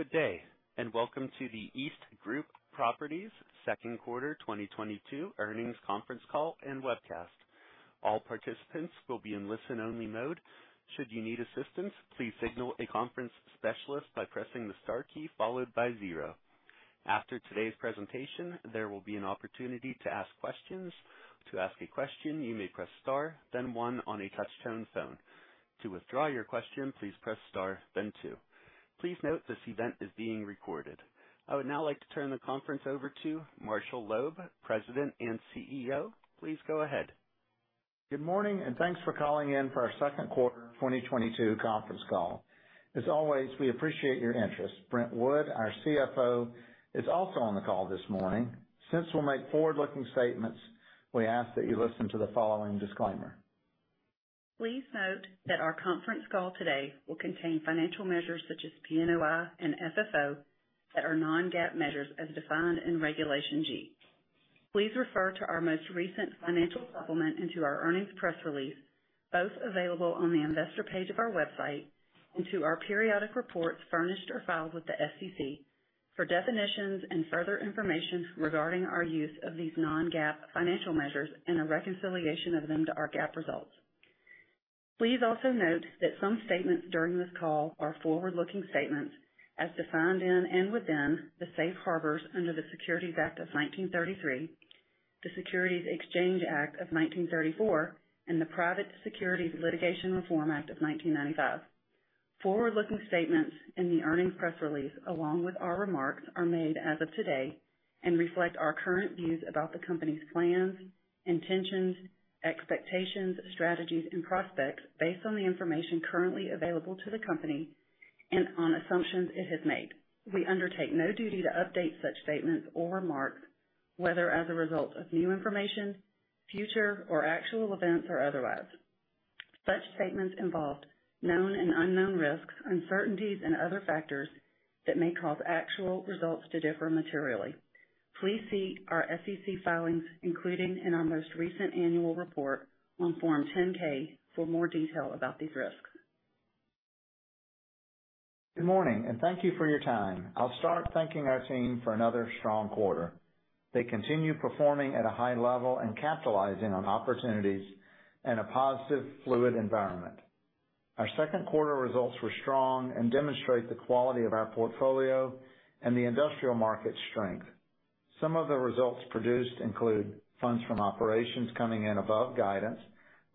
Good day, and welcome to the EastGroup Properties second quarter 2022 earnings conference call and webcast. All participants will be in listen only mode. Should you need assistance, please signal a conference specialist by pressing the star key followed by zero. After today's presentation, there will be an opportunity to ask questions. To ask a question, you may press star, then one on a touchtone phone. To withdraw your question, please press star then two. Please note this event is being recorded. I would now like to turn the conference over to Marshall Loeb, President and CEO. Please go ahead. Good morning, and thanks for calling in for our second quarter 2022 conference call. As always, we appreciate your interest. Brent Wood, our CFO, is also on the call this morning. Since we'll make forward-looking statements, we ask that you listen to the following disclaimer. Please note that our conference call today will contain financial measures such as PNOI and FFO that are non-GAAP measures as defined in Regulation G. Please refer to our most recent financial supplement and to our earnings press release, both available on the investor page of our website and to our periodic reports furnished or filed with the SEC for definitions and further information regarding our use of these non-GAAP financial measures and a reconciliation of them to our GAAP results. Please also note that some statements during this call are forward-looking statements as defined in and within the safe harbors under the Securities Act of 1933, the Securities Exchange Act of 1934, and the Private Securities Litigation Reform Act of 1995. Forward-looking statements in the earnings press release, along with our remarks, are made as of today and reflect our current views about the company's plans, intentions, expectations, strategies, and prospects based on the information currently available to the company and on assumptions it has made. We undertake no duty to update such statements or remarks, whether as a result of new information, future or actual events or otherwise. Such statements involve known and unknown risks, uncertainties, and other factors that may cause actual results to differ materially. Please see our SEC filings, including in our most recent annual report on Form 10-K for more detail about these risks. Good morning, and thank you for your time. I'll start thanking our team for another strong quarter. They continue performing at a high level and capitalizing on opportunities in a positive fluid environment. Our second quarter results were strong and demonstrate the quality of our portfolio and the industrial market strength. Some of the results produced include funds from operations coming in above guidance,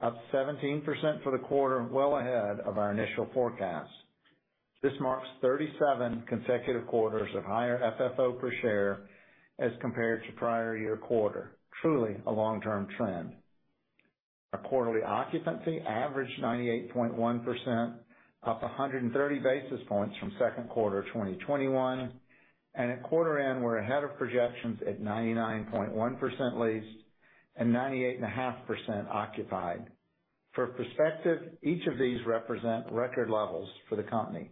up 17% for the quarter, well ahead of our initial forecast. This marks 37 consecutive quarters of higher FFO per share as compared to prior year quarter. Truly a long term trend. Our quarterly occupancy averaged 98.1%, up 130 basis points from second quarter 2021. At quarter end, we're ahead of projections at 99.1% leased and 98.5% occupied. For perspective, each of these represent record levels for the company.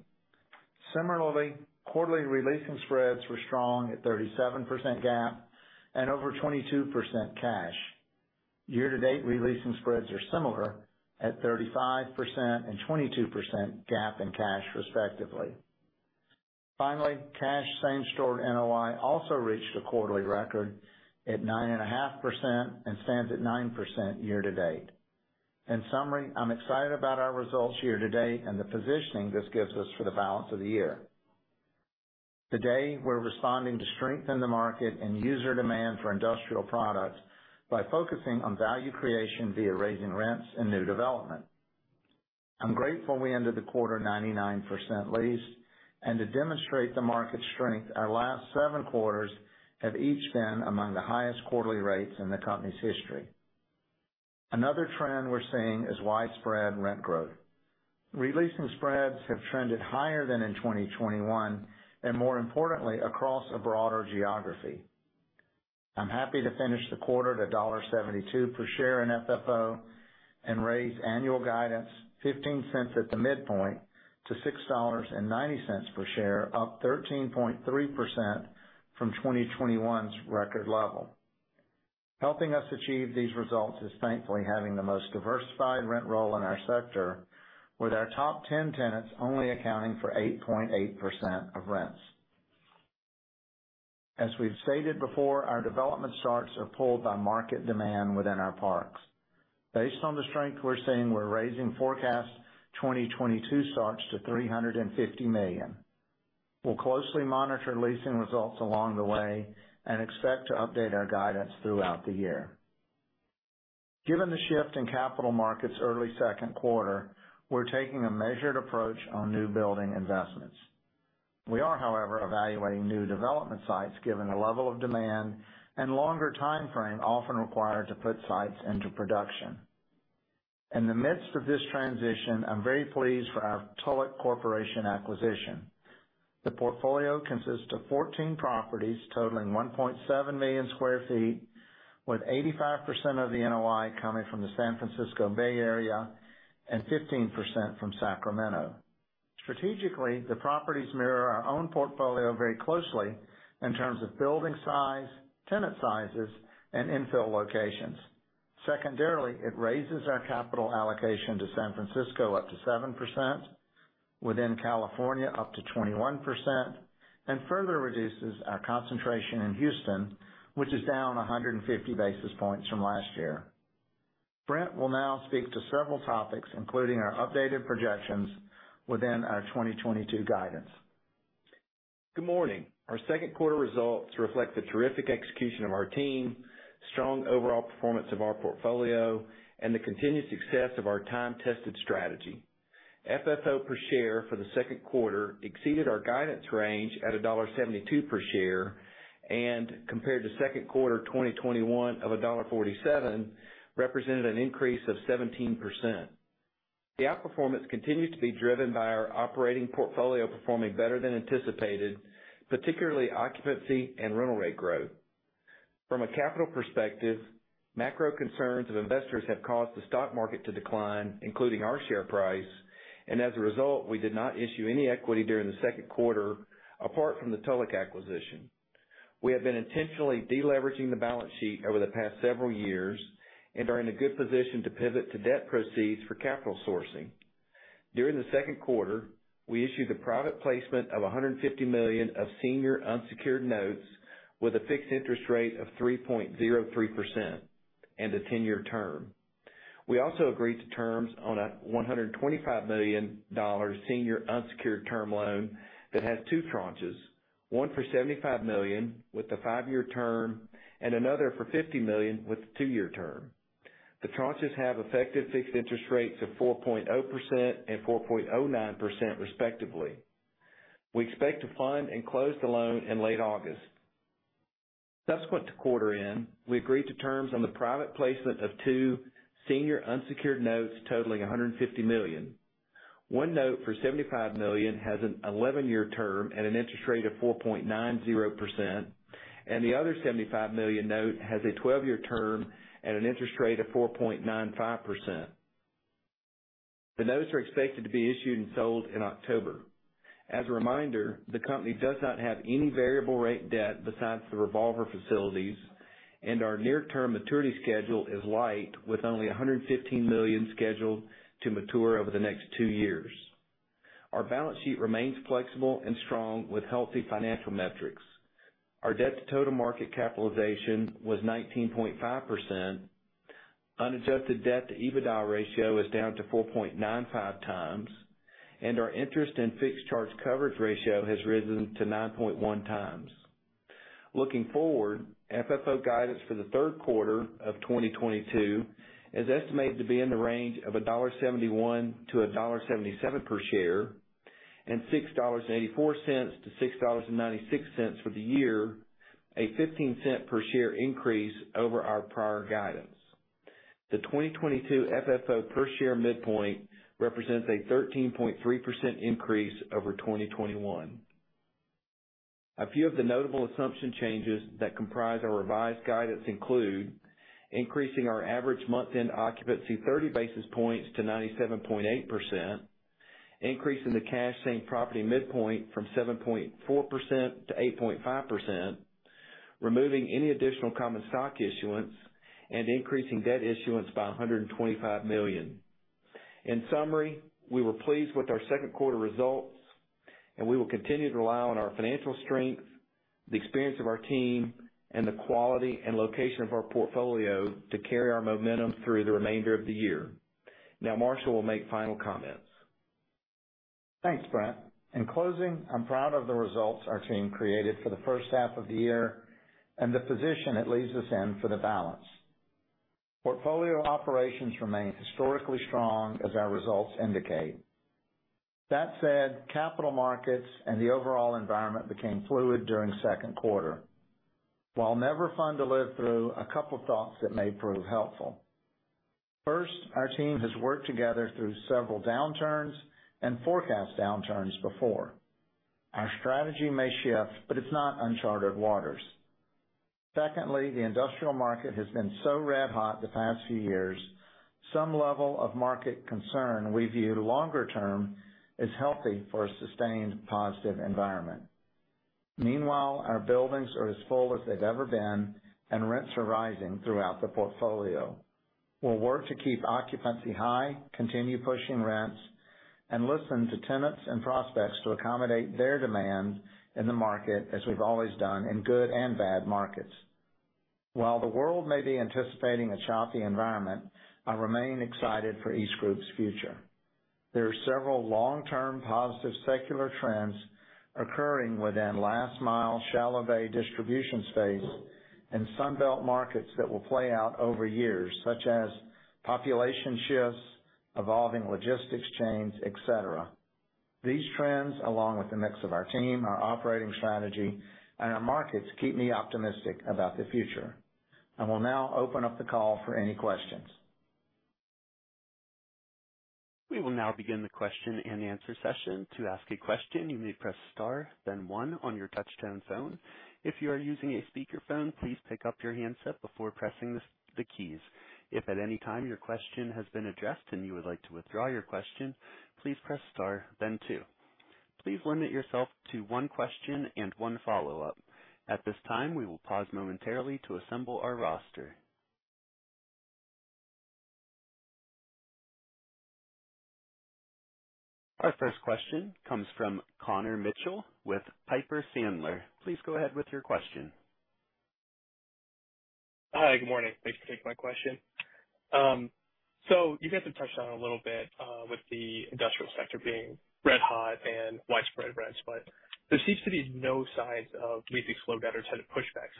Similarly, quarterly re-leasing spreads were strong at 37% GAAP and over 22% cash. Year to date re-leasing spreads are similar at 35% and 22% GAAP and cash, respectively. Finally, cash same-store NOI also reached a quarterly record at 9.5% and stands at 9% year to date. In summary, I'm excited about our results year to date and the positioning this gives us for the balance of the year. Today, we're responding to strength in the market and user demand for industrial products by focusing on value creation via raising rents and new development. I'm grateful we ended the quarter 99% leased. To demonstrate the market strength, our last seven quarters have each been among the highest quarterly rates in the company's history. Another trend we're seeing is widespread rent growth. Re-leasing spreads have trended higher than in 2021 and more importantly, across a broader geography. I'm happy to finish the quarter at $72 per share in FFO and raise annual guidance $0.15 at the midpoint to $6.90 per share, up 13.3% from 2021's record level. Helping us achieve these results is thankfully having the most diversified rent roll in our sector, with our top 10 tenants only accounting for 8.8% of rents. As we've stated before, our development starts are pulled by market demand within our parks. Based on the strength we're seeing, we're raising forecast 2022 starts to $350 million. We'll closely monitor leasing results along the way and expect to update our guidance throughout the year. Given the shift in capital markets early second quarter, we're taking a measured approach on new building investments. We are, however, evaluating new development sites given the level of demand and longer timeframe often required to put sites into production. In the midst of this transition, I'm very pleased for our Tulloch Corporation acquisition. The portfolio consists of 14 properties totaling 1.7 million sq ft, with 85% of the NOI coming from the San Francisco Bay Area and 15% from Sacramento. Strategically, the properties mirror our own portfolio very closely in terms of building size, tenant sizes, and infill locations. Secondarily, it raises our capital allocation to San Francisco up to 7%, within California up to 21%, and further reduces our concentration in Houston, which is down 150 basis points from last year. Brent will now speak to several topics, including our updated projections within our 2022 guidance. Good morning. Our second quarter results reflect the terrific execution of our team, strong overall performance of our portfolio, and the continued success of our time-tested strategy. FFO per share for the second quarter exceeded our guidance range at $1.72 per share, and compared to second quarter 2021 of $1.47, represented an increase of 17%. The outperformance continued to be driven by our operating portfolio performing better than anticipated, particularly occupancy and rental rate growth. From a capital perspective, macro concerns of investors have caused the stock market to decline, including our share price, and as a result, we did not issue any equity during the second quarter apart from the Tulloch acquisition. We have been intentionally de-leveraging the balance sheet over the past several years and are in a good position to pivot to debt proceeds for capital sourcing. During the second quarter, we issued a private placement of $150 million of senior unsecured notes with a fixed interest rate of 3.03% and a 10-year term. We also agreed to terms on a $125 million senior unsecured term loan that has two tranches, one for $75 million with a five-year term and another for $50 million with a two-year term. The tranches have effective fixed interest rates of 4.0% and 4.09% respectively. We expect to fund and close the loan in late August. Subsequent to quarter end, we agreed to terms on the private placement of two senior unsecured notes totaling $150 million. One note for $75 million has an 11-year term and an interest rate of 4.90%, and the other $75 million note has a 12-year term and an interest rate of 4.95%. The notes are expected to be issued and sold in October. As a reminder, the company does not have any variable rate debt besides the revolver facilities, and our near term maturity schedule is light, with only $115 million scheduled to mature over the next two years. Our balance sheet remains flexible and strong with healthy financial metrics. Our debt to total market capitalization was 19.5%. Unadjusted debt to EBITDA ratio is down to 4.95 times, and our interest and fixed charge coverage ratio has risen to 9.1 times. Looking forward, FFO guidance for the third quarter of 2022 is estimated to be in the range of $1.71-$1.77 per share, and $6.84-$6.96 for the year, a $0.15 per share increase over our prior guidance. The 2022 FFO per share midpoint represents a 13.3% increase over 2021. A few of the notable assumption changes that comprise our revised guidance include increasing our average month-end occupancy 30 basis points to 97.8%, increasing the cash same property midpoint from 7.4% to 8.5%, removing any additional common stock issuance, and increasing debt issuance by $125 million. In summary, we were pleased with our second quarter results, and we will continue to rely on our financial strength, the experience of our team, and the quality and location of our portfolio to carry our momentum through the remainder of the year. Now Marshall will make final comments. Thanks, Brent. In closing, I'm proud of the results our team created for the first half of the year and the position it leaves us in for the balance. Portfolio operations remain historically strong as our results indicate. That said, capital markets and the overall environment became fluid during second quarter. While never fun to live through, a couple thoughts that may prove helpful. First, our team has worked together through several downturns and forecast downturns before. Our strategy may shift, but it's not unchartered waters. Secondly, the industrial market has been so red hot the past few years, some level of market concern we view longer term as healthy for a sustained positive environment. Meanwhile, our buildings are as full as they've ever been, and rents are rising throughout the portfolio. We'll work to keep occupancy high, continue pushing rents, and listen to tenants and prospects to accommodate their demands in the market as we've always done in good and bad markets. While the world may be anticipating a choppy environment, I remain excited for EastGroup's future. There are several long-term positive secular trends occurring within last mile shallow bay distribution space and Sun Belt markets that will play out over years, such as population shifts, evolving logistics chains, et cetera. These trends, along with the mix of our team, our operating strategy, and our markets, keep me optimistic about the future. I will now open up the call for any questions. We will now begin the question and answer session. To ask a question, you may press star then one on your touchtone phone. If you are using a speakerphone, please pick up your handset before pressing the keys. If at any time your question has been addressed and you would like to withdraw your question, please press star then two. Please limit yourself to one question and one follow-up. At this time, we will pause momentarily to assemble our roster. Our first question comes from Connor Mitchell with Piper Sandler. Please go ahead with your question. Hi, good morning. Thanks for taking my question. You guys have touched on it a little bit, with the industrial sector being red hot and widespread rents, but there seems to be no signs of leasing slowdown or any kind of pushback.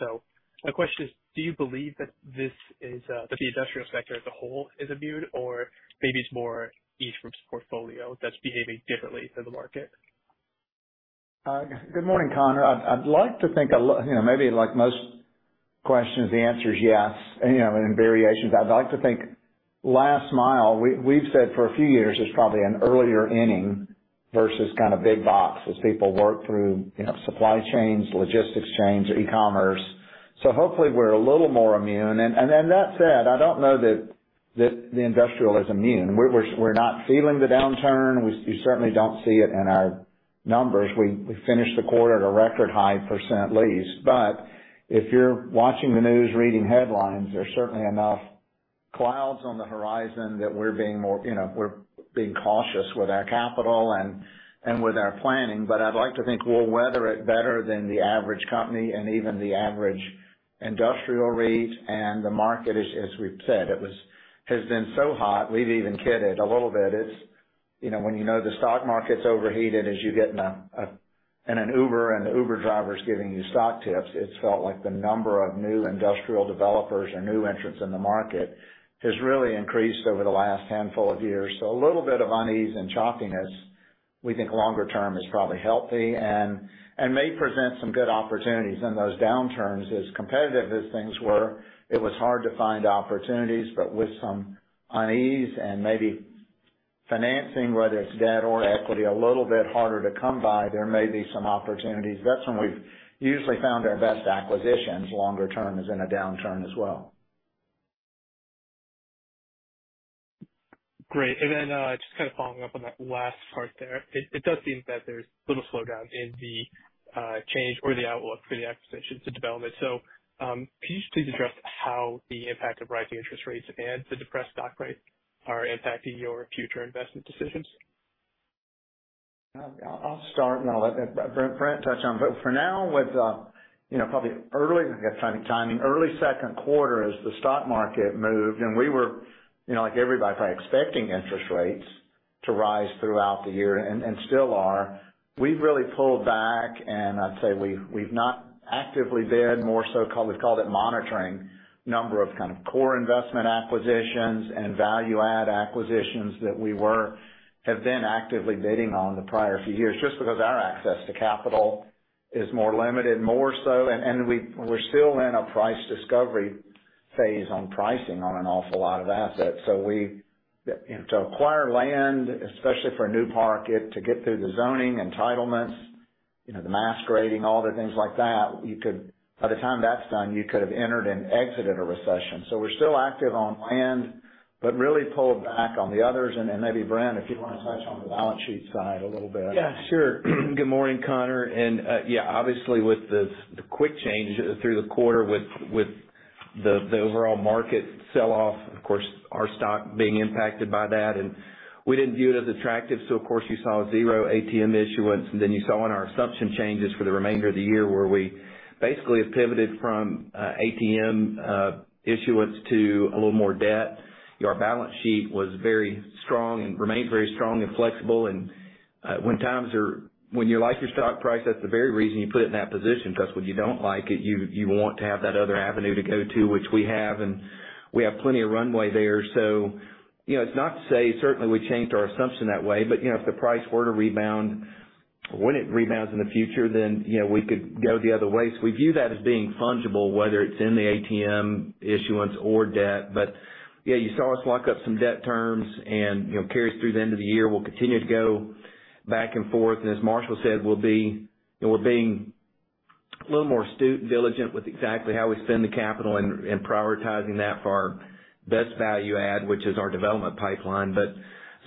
My question is, do you believe that this is, that the industrial sector as a whole is immune or maybe it's more EastGroup's portfolio that's behaving differently than the market? Good morning, Connor. I'd like to think you know, maybe like most questions, the answer is yes, and, you know, in variations. I'd like to think last mile, we've said for a few years, is probably an earlier inning versus kind of big box as people work through, you know, supply chains, logistics chains, e-commerce. Hopefully we're a little more immune. Then that said, I don't know that the industrial is immune. We're not feeling the downturn. We certainly don't see it in our numbers. We finished the quarter at a record high percent leased. If you're watching the news, reading headlines, there's certainly enough clouds on the horizon that we're being more, you know, we're being cautious with our capital and with our planning. I'd like to think we'll weather it better than the average company and even the average industrial rate. The market is, as we've said, has been so hot, we've even kidded a little bit. It's, you know, when you know the stock market's overheated is you get in an Uber and the Uber driver's giving you stock tips. It's felt like the number of new industrial developers or new entrants in the market has really increased over the last handful of years. A little bit of unease and choppiness we think longer term is probably healthy and may present some good opportunities. In those downturns, as competitive as things were, it was hard to find opportunities, but with some unease and maybe financing, whether it's debt or equity, a little bit harder to come by, there may be some opportunities. That's when we've usually found our best acquisitions longer term is in a downturn as well. Great. Just kind of following up on that last part there. It does seem that there's a little slowdown in the change or the outlook for the acquisitions and development. Can you just please address how the impact of rising interest rates and the depressed stock price are impacting your future investment decisions? I'll start, and I'll let Brent touch on. For now, with you know, probably early but the timing early second quarter as the stock market moved, and we were, you know, like everybody, probably expecting interest rates to rise throughout the year and still are. We've really pulled back, and I'd say we've not actively bid more so, called it monitoring a number of kind of core investment acquisitions and value add acquisitions that we have been actively bidding on the prior few years just because our access to capital is more limited more so, and we're still in a price discovery phase on pricing on an awful lot of assets. We you know, to acquire land, especially for a new park, it. To get through the zoning, entitlements, you know, the mass grading, all the things like that, you could, by the time that's done, you could have entered and exited a recession. We're still active on land, but really pulled back on the others. Maybe Brent, if you wanna touch on the balance sheet side a little bit. Yeah, sure. Good morning, Connor. Obviously with the quick change through the quarter with the overall market sell off, of course, our stock being impacted by that, and we didn't view it as attractive, so of course you saw zero ATM issuance. You saw in our assumption changes for the remainder of the year where we basically have pivoted from ATM issuance to a little more debt. Our balance sheet was very strong and remains very strong and flexible. When you like your stock price, that's the very reason you put it in that position, because when you don't like it, you want to have that other avenue to go to, which we have, and we have plenty of runway there. You know, it's not to say certainly we changed our assumption that way, but, you know, if the price were to rebound, when it rebounds in the future, then, you know, we could go the other way. We view that as being fungible, whether it's in the ATM issuance or debt. Yeah, you saw us lock up some debt terms and, you know, carries through the end of the year. We'll continue to go back and forth. As Marshall said, we'll be you know, we're being a little more astute and diligent with exactly how we spend the capital and prioritizing that for our best value add, which is our development pipeline.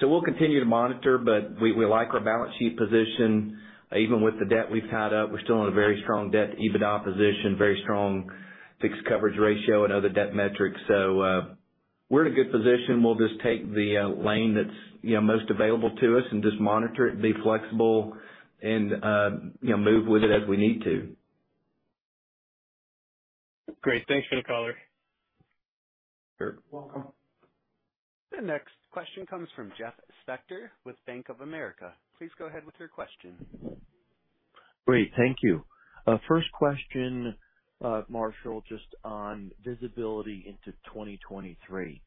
We'll continue to monitor, but we like our balance sheet position. Even with the debt we've tied up, we're still in a very strong debt EBITDA position, very strong fixed coverage ratio and other debt metrics. We're in a good position. We'll just take the lane that's, you know, most available to us and just monitor it and be flexible and, you know, move with it as we need to. Great. Thanks for the color. Sure. Welcome. The next question comes from Jeffrey Spector with Bank of America. Please go ahead with your question. Great. Thank you. First question, Marshall, just on visibility into 2023.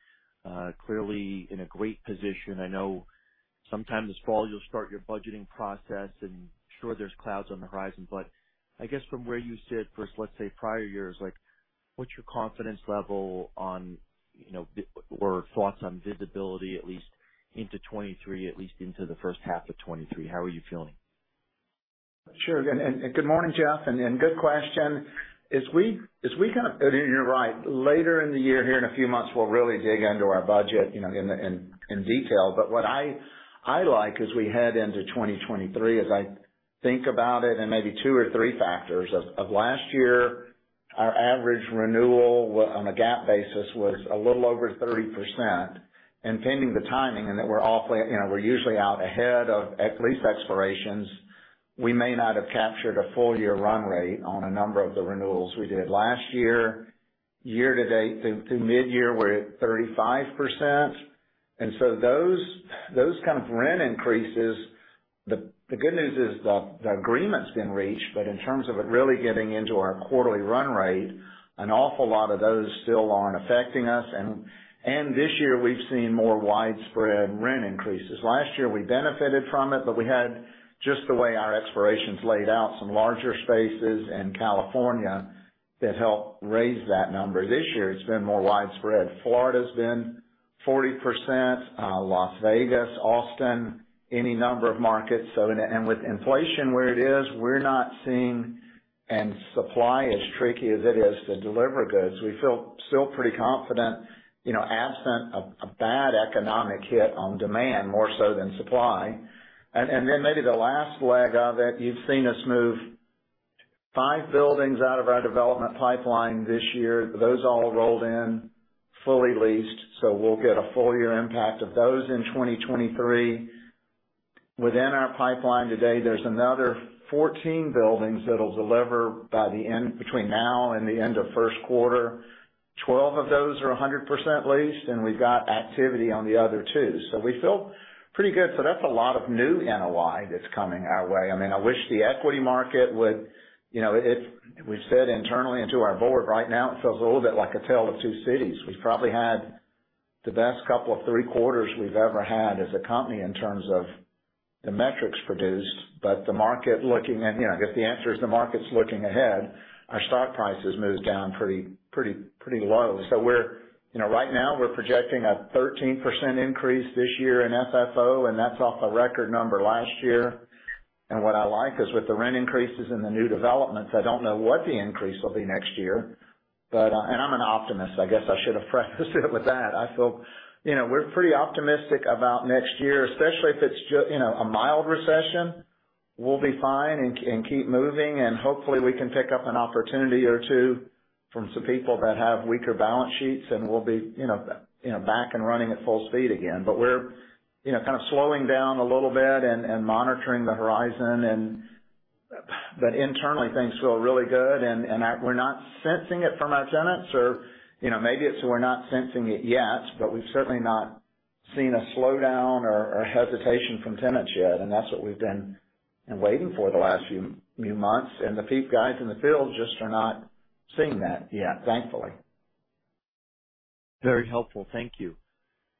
Clearly in a great position. I know sometime this fall you'll start your budgeting process, and sure there's clouds on the horizon, but I guess from where you sit versus, let's say, prior years, like, what's your confidence level on, you know, or thoughts on visibility at least into 2023, at least into the first half of 2023? How are you feeling? Sure. Good morning, Jeff. Good question. As we... You're right. Later in the year here in a few months, we'll really dig into our budget, you know, in detail. What I like as we head into 2023, as I think about it, and maybe two or three factors. Of last year, our average renewal was on a GAAP basis a little over 30%. Pending the timing, and that we're awfully, you know, we're usually out ahead of lease expirations, we may not have captured a full year run rate on a number of the renewals we did last year. Year-to-date, through midyear, we're at 35%. Those kind of rent increases, the good news is the agreement's been reached, but in terms of it really getting into our quarterly run rate, an awful lot of those still aren't affecting us. This year we've seen more widespread rent increases. Last year we benefited from it, but we had, just the way our expirations laid out, some larger spaces in California that helped raise that number. This year it's been more widespread. Florida's been 40%, Las Vegas, Austin, any number of markets. With inflation where it is, we're not seeing. Supply as tricky as it is to deliver goods, we feel still pretty confident, you know, absent a bad economic hit on demand more so than supply. Then maybe the last leg of it, you've seen us move five buildings out of our development pipeline this year. Those all rolled in fully leased, so we'll get a full year impact of those in 2023. Within our pipeline today, there's another 14 buildings that'll deliver by the end, between now and the end of first quarter. 12 of those are 100% leased, and we've got activity on the other two. We feel pretty good. That's a lot of new NOI that's coming our way. I mean, I wish the equity market would, you know. It. We've said internally and to our board, right now it feels a little bit like A Tale of Two Cities. We've probably had the best couple of three quarters we've ever had as a company in terms of the metrics produced, but the market's looking, and, you know, I guess the answer is the market's looking ahead. Our stock price has moved down pretty low. We're... You know, right now we're projecting a 13% increase this year in FFO, and that's off a record number last year. What I like is with the rent increases and the new developments, I don't know what the increase will be next year, but, and I'm an optimist. I guess I should have prefaced it with that. I feel, you know, we're pretty optimistic about next year, especially if it's you know, a mild recession, we'll be fine and keep moving, and hopefully we can pick up an opportunity or two from some people that have weaker balance sheets, and we'll be, you know, back and running at full speed again. We're, you know, kind of slowing down a little bit and monitoring the horizon. Internally, things feel really good and we're not sensing it from our tenants or, you know, maybe it's we're not sensing it yet, but we've certainly not seen a slowdown or hesitation from tenants yet. That's what we've been waiting for the last few months. The feet guys in the field just are not seeing that yet, thankfully. Very helpful. Thank you.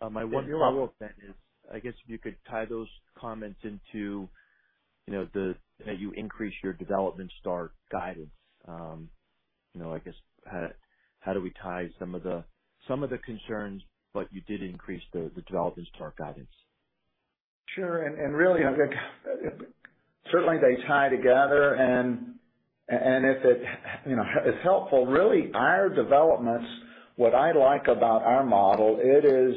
My one follow-up then is, I guess if you could tie those comments into, you know, that you increased your development start guidance. You know, I guess how do we tie some of the concerns, but you did increase the development start guidance? Sure. Really, I think, certainly they tie together and if it, you know, is helpful, really, our developments, what I like about our model, it is,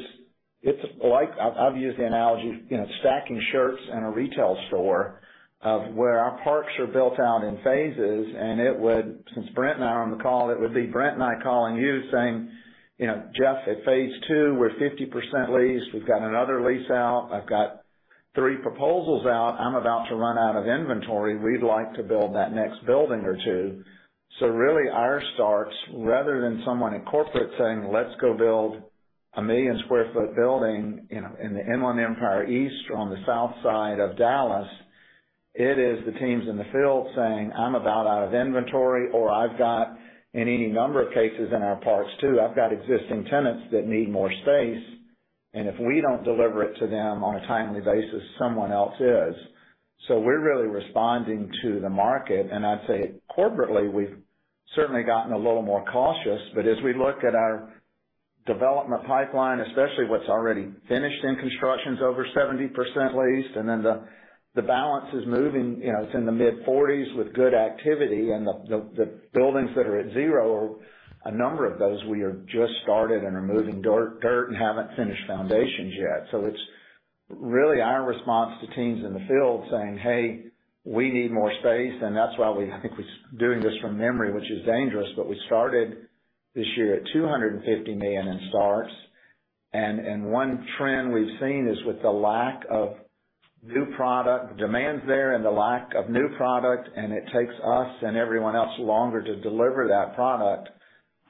it's like I've used the analogy, you know, stacking shirts in a retail store of where our parks are built out in phases, and it would. Since Brent and I are on the call, it would be Brent and I calling you saying, you know, "Jeff, at phase II, we're 50% leased. We've got another lease out. I've got three proposals out. I'm about to run out of inventory. We'd like to build that next building or two." Really our starts, rather than someone in corporate saying, "Let's go build a 1 million sq ft building, you know, in the Inland Empire East on the south side of Dallas," it is the teams in the field saying, "I'm about out of inventory." In any number of cases in our parks too, "I've got existing tenants that need more space, and if we don't deliver it to them on a timely basis, someone else is." We're really responding to the market. I'd say corporately, we've certainly gotten a little more cautious. As we look at our development pipeline, especially what's already finished in construction's over 70% leased, and then the balance is moving. You know, it's in the mid-40s% with good activity. The buildings that are at zero, a number of those we have just started and are moving dirt and haven't finished foundations yet. It's really our response to teams in the field saying, "Hey, we need more space." That's why we... I think we're doing this from memory, which is dangerous, but we started this year at $250 million in starts. One trend we've seen is with the lack of new product, the demand's there and the lack of new product, and it takes us and everyone else longer to deliver that product,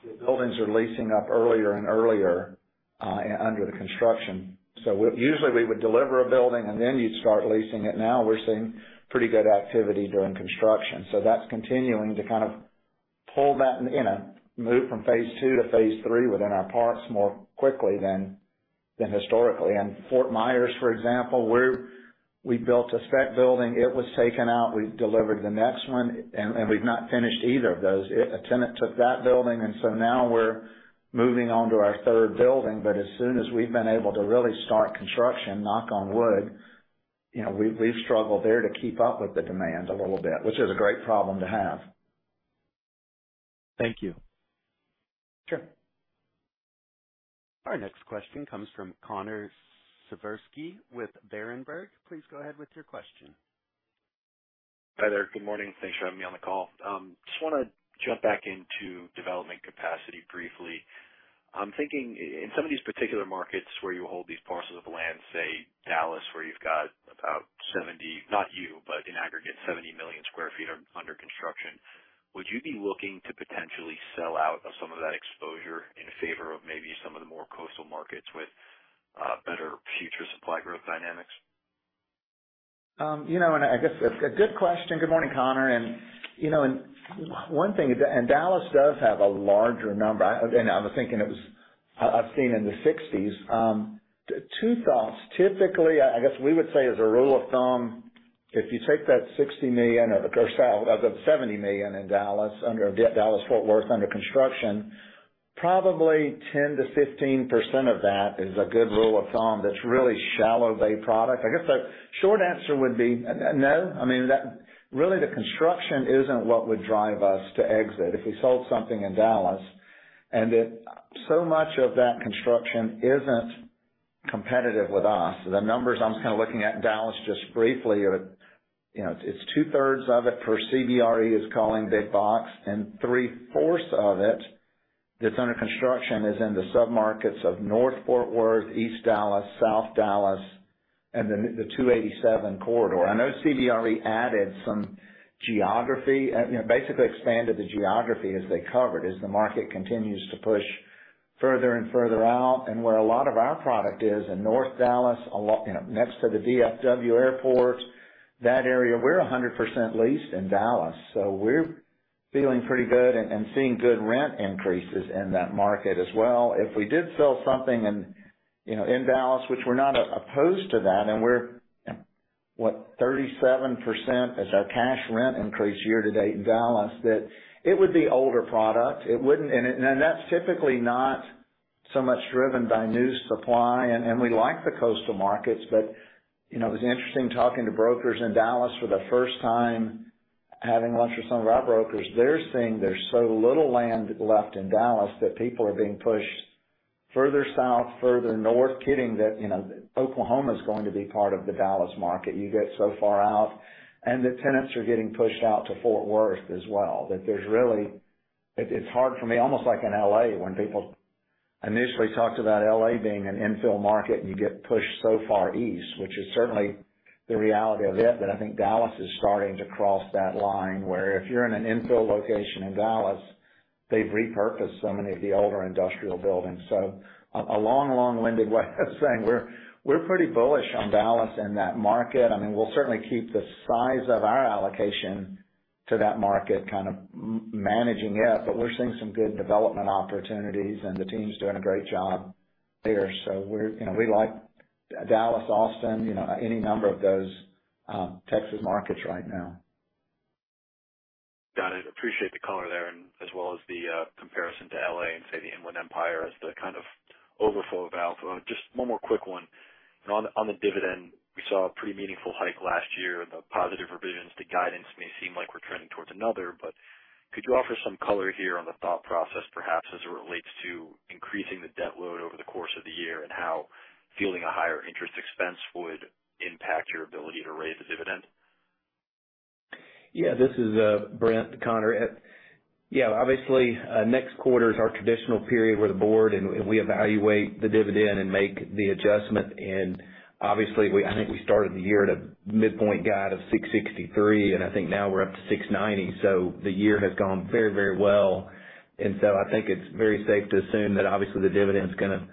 the buildings are leasing up earlier and earlier under construction. Usually we would deliver a building and then you'd start leasing it. Now we're seeing pretty good activity during construction. That's continuing to kind of pull that in a move from phase II to phase III within our parks more quickly than historically. Fort Myers, for example, we built a spec building. It was taken out, we delivered the next one, and we've not finished either of those. A tenant took that building, and so now we're moving on to our third building. As soon as we've been able to really start construction, knock on wood, you know, we've struggled there to keep up with the demand a little bit, which is a great problem to have. Thank you. Sure. Our next question comes from Connor Siversky with Berenberg. Please go ahead with your question. Hi there. Good morning. Thanks for having me on the call. Just wanna jump back into development capacity briefly. I'm thinking in some of these particular markets where you hold these parcels of land, say Dallas, where you've got about 70 million sq ft under construction. Not you, but in aggregate, 70 million sq ft are under construction. Would you be looking to potentially sell out of some of that exposure in favor of maybe some of the more coastal markets with better future supply growth dynamics? You know, I guess it's a good question. Good morning, Connor. You know, one thing, Dallas does have a larger number. I was thinking it was, I've seen it in the 60s. Two thoughts. Typically, I guess we would say as a rule of thumb, if you take that $60 million or the $70 million in Dallas-Fort Worth under construction, probably 10%-15% of that is a good rule of thumb. That's really shallow bay product. I guess the short answer would be no. I mean, that really, the construction isn't what would drive us to exit. If we sold something in Dallas, so much of that construction isn't competitive with us. The numbers I'm kind of looking at in Dallas just briefly are, you know, it's two-thirds of it per CBRE is calling big box, and three-fourths of it that's under construction is in the submarkets of North Fort Worth, East Dallas, South Dallas, and the 287 corridor. I know CBRE added some geography, you know, basically expanded the geography as they covered, as the market continues to push further and further out. Where a lot of our product is in North Dallas, you know, next to the DFW Airport, that area, we're 100% leased in Dallas. We're feeling pretty good and seeing good rent increases in that market as well. If we did sell something in, you know, in Dallas, which we're not opposed to that, and we're, what, 37% is our cash rent increase year to date in Dallas, that it would be older product. It wouldn't. That's typically not so much driven by new supply, and we like the coastal markets, but, you know, it was interesting talking to brokers in Dallas for the first time, having lunch with some of our brokers. They're saying there's so little land left in Dallas that people are being pushed further south, further north, kidding that, you know, Oklahoma's going to be part of the Dallas market. You get so far out, and the tenants are getting pushed out to Fort Worth as well. It's hard for me, almost like in L.A., when people initially talked about L.A. being an infill market, and you get pushed so far east, which is certainly the reality of it, but I think Dallas is starting to cross that line, where if you're in an infill location in Dallas, they've repurposed so many of the older industrial buildings. A long-winded way of saying we're pretty bullish on Dallas and that market. I mean, we'll certainly keep the size of our allocation to that market kind of managing it, but we're seeing some good development opportunities, and the team's doing a great job there. You know, we like Dallas, Austin, you know, any number of those Texas markets right now. Got it. Appreciate the color there and as well as the comparison to L.A. and, say, the Inland Empire as the kind of overflow valve. Just one more quick one. On the dividend, we saw a pretty meaningful hike last year and the positive revisions to guidance may seem like we're trending towards another. Could you offer some color here on the thought process, perhaps as it relates to increasing the debt load over the course of the year and how fielding a higher interest expense would impact your ability to raise the dividend? Yeah, this is Brent, Connor. Yeah, obviously, next quarter is our traditional period where the board and we evaluate the dividend and make the adjustment. Obviously, I think we started the year at a midpoint guide of 663, and I think now we're up to 690. The year has gone very, very well. I think it's very safe to assume that obviously the dividend's gonna. You know,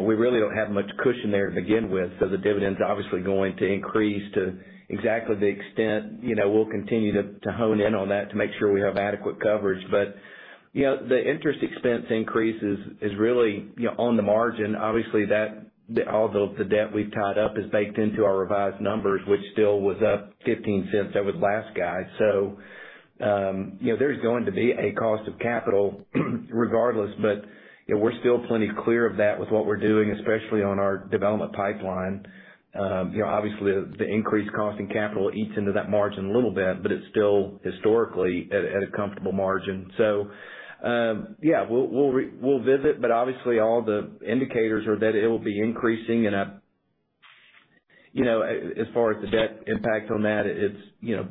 we really don't have much cushion there to begin with. The dividend's obviously going to increase to exactly the extent, you know, we'll continue to hone in on that to make sure we have adequate coverage. You know, the interest expense increase is really, you know, on the margin. Obviously that the. All the debt we've tied up is baked into our revised numbers, which still was up $0.15 over the last guide. You know, there's going to be a cost of capital regardless, but you know, we're still plenty clear of that with what we're doing, especially on our development pipeline. You know, obviously, the increased cost of capital eats into that margin a little bit, but it's still historically at a comfortable margin. Yeah, we'll visit, but obviously all the indicators are that it'll be increasing. You know, as far as the debt impact on that, it's you know,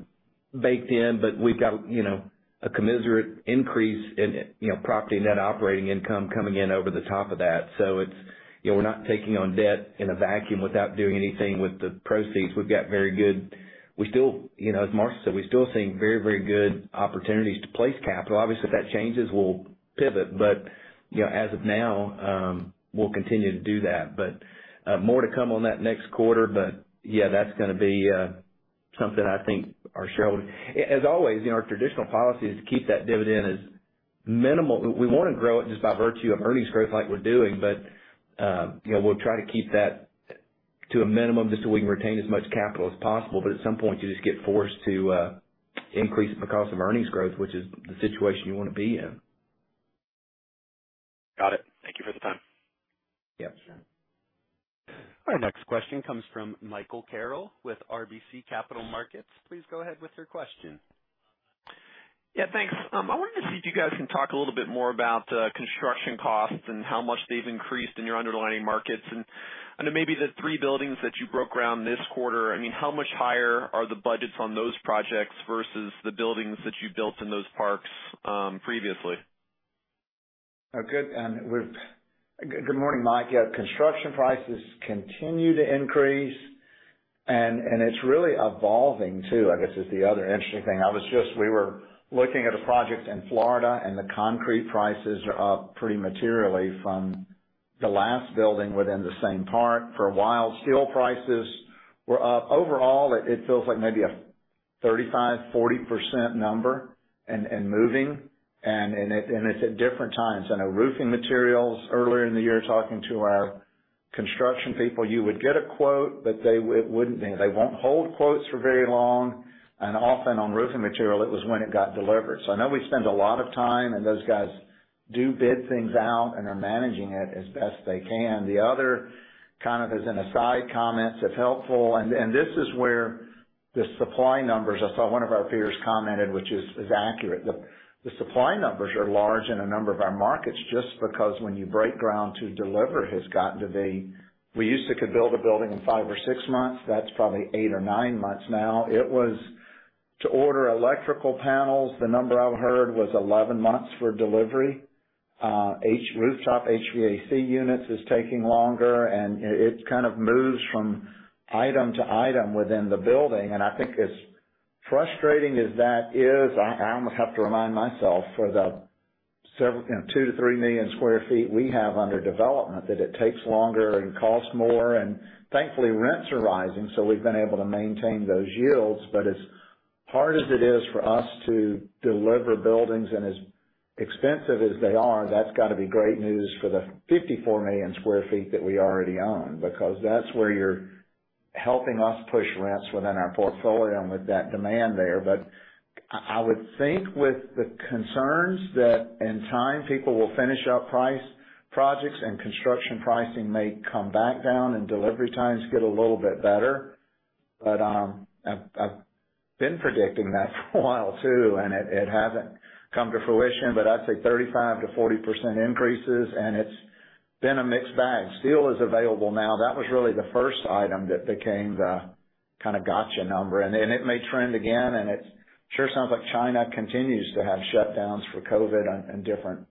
baked in, but we've got you know, a commensurate increase in you know, property net operating income coming in over the top of that. So it's. You know, we're not taking on debt in a vacuum without doing anything with the proceeds. We've got very good. We still, you know, as Marshall said, we're still seeing very, very good opportunities to place capital. Obviously, if that changes, we'll pivot. You know, as of now, we'll continue to do that, but more to come on that next quarter. Yeah, that's gonna be something I think our shareholder. As always, you know, our traditional policy is to keep that dividend as minimal. We wanna grow it just by virtue of earnings growth like we're doing, but you know, we'll try to keep that to a minimum just so we can retain as much capital as possible. At some point, you just get forced to increase it because of earnings growth, which is the situation you wanna be in. Got it. Thank you for the time. Yeah, sure. Our next question comes from Michael Carroll with RBC Capital Markets. Please go ahead with your question. Yeah, thanks. I wanted to see if you guys can talk a little bit more about construction costs and how much they've increased in your underlying markets. Then maybe the three buildings that you broke ground this quarter, I mean, how much higher are the budgets on those projects versus the buildings that you built in those parks, previously? Oh, good. Good morning, Mike. Yeah, construction prices continue to increase, and it's really evolving too, I guess, is the other interesting thing. We were looking at a project in Florida, and the concrete prices are up pretty materially from the last building within the same park. For a while, steel prices were up. Overall, it feels like maybe a 35-40% number and moving, and it's at different times. I know roofing materials earlier in the year, talking to our construction people, you would get a quote, but they wouldn't hold quotes for very long. Often on roofing material, it was when it got delivered. I know we spend a lot of time, and those guys do bid things out and are managing it as best they can. The other kind of as an aside comment, if helpful, and this is where the supply numbers, I saw one of our peers commented, which is accurate. The supply numbers are large in a number of our markets just because when you break ground to deliver has gotten to be. We used to could build a building in five or six months. That's probably eight or nine months now. To order electrical panels, the number I've heard was 11 months for delivery. Our rooftop HVAC units is taking longer, and it kind of moves from item to item within the building. I think as frustrating as that is, I almost have to remind myself for the several, you know, 2-3 million sq ft we have under development, that it takes longer and costs more, and thankfully, rents are rising, so we've been able to maintain those yields. As hard as it is for us to deliver buildings and as expensive as they are, that's got to be great news for the 54 million sq ft that we already own, because that's where you're helping us push rents within our portfolio and with that demand there. I would think with the concerns that in time people will finish up priced projects and construction pricing may come back down and delivery times get a little bit better. I've been predicting that for a while too, and it hasn't come to fruition. I'd say 35%-40% increases, and it's been a mixed bag. Steel is available now. That was really the first item that became the kind of gotcha number, and it may trend again. It sure sounds like China continues to have shutdowns for COVID on different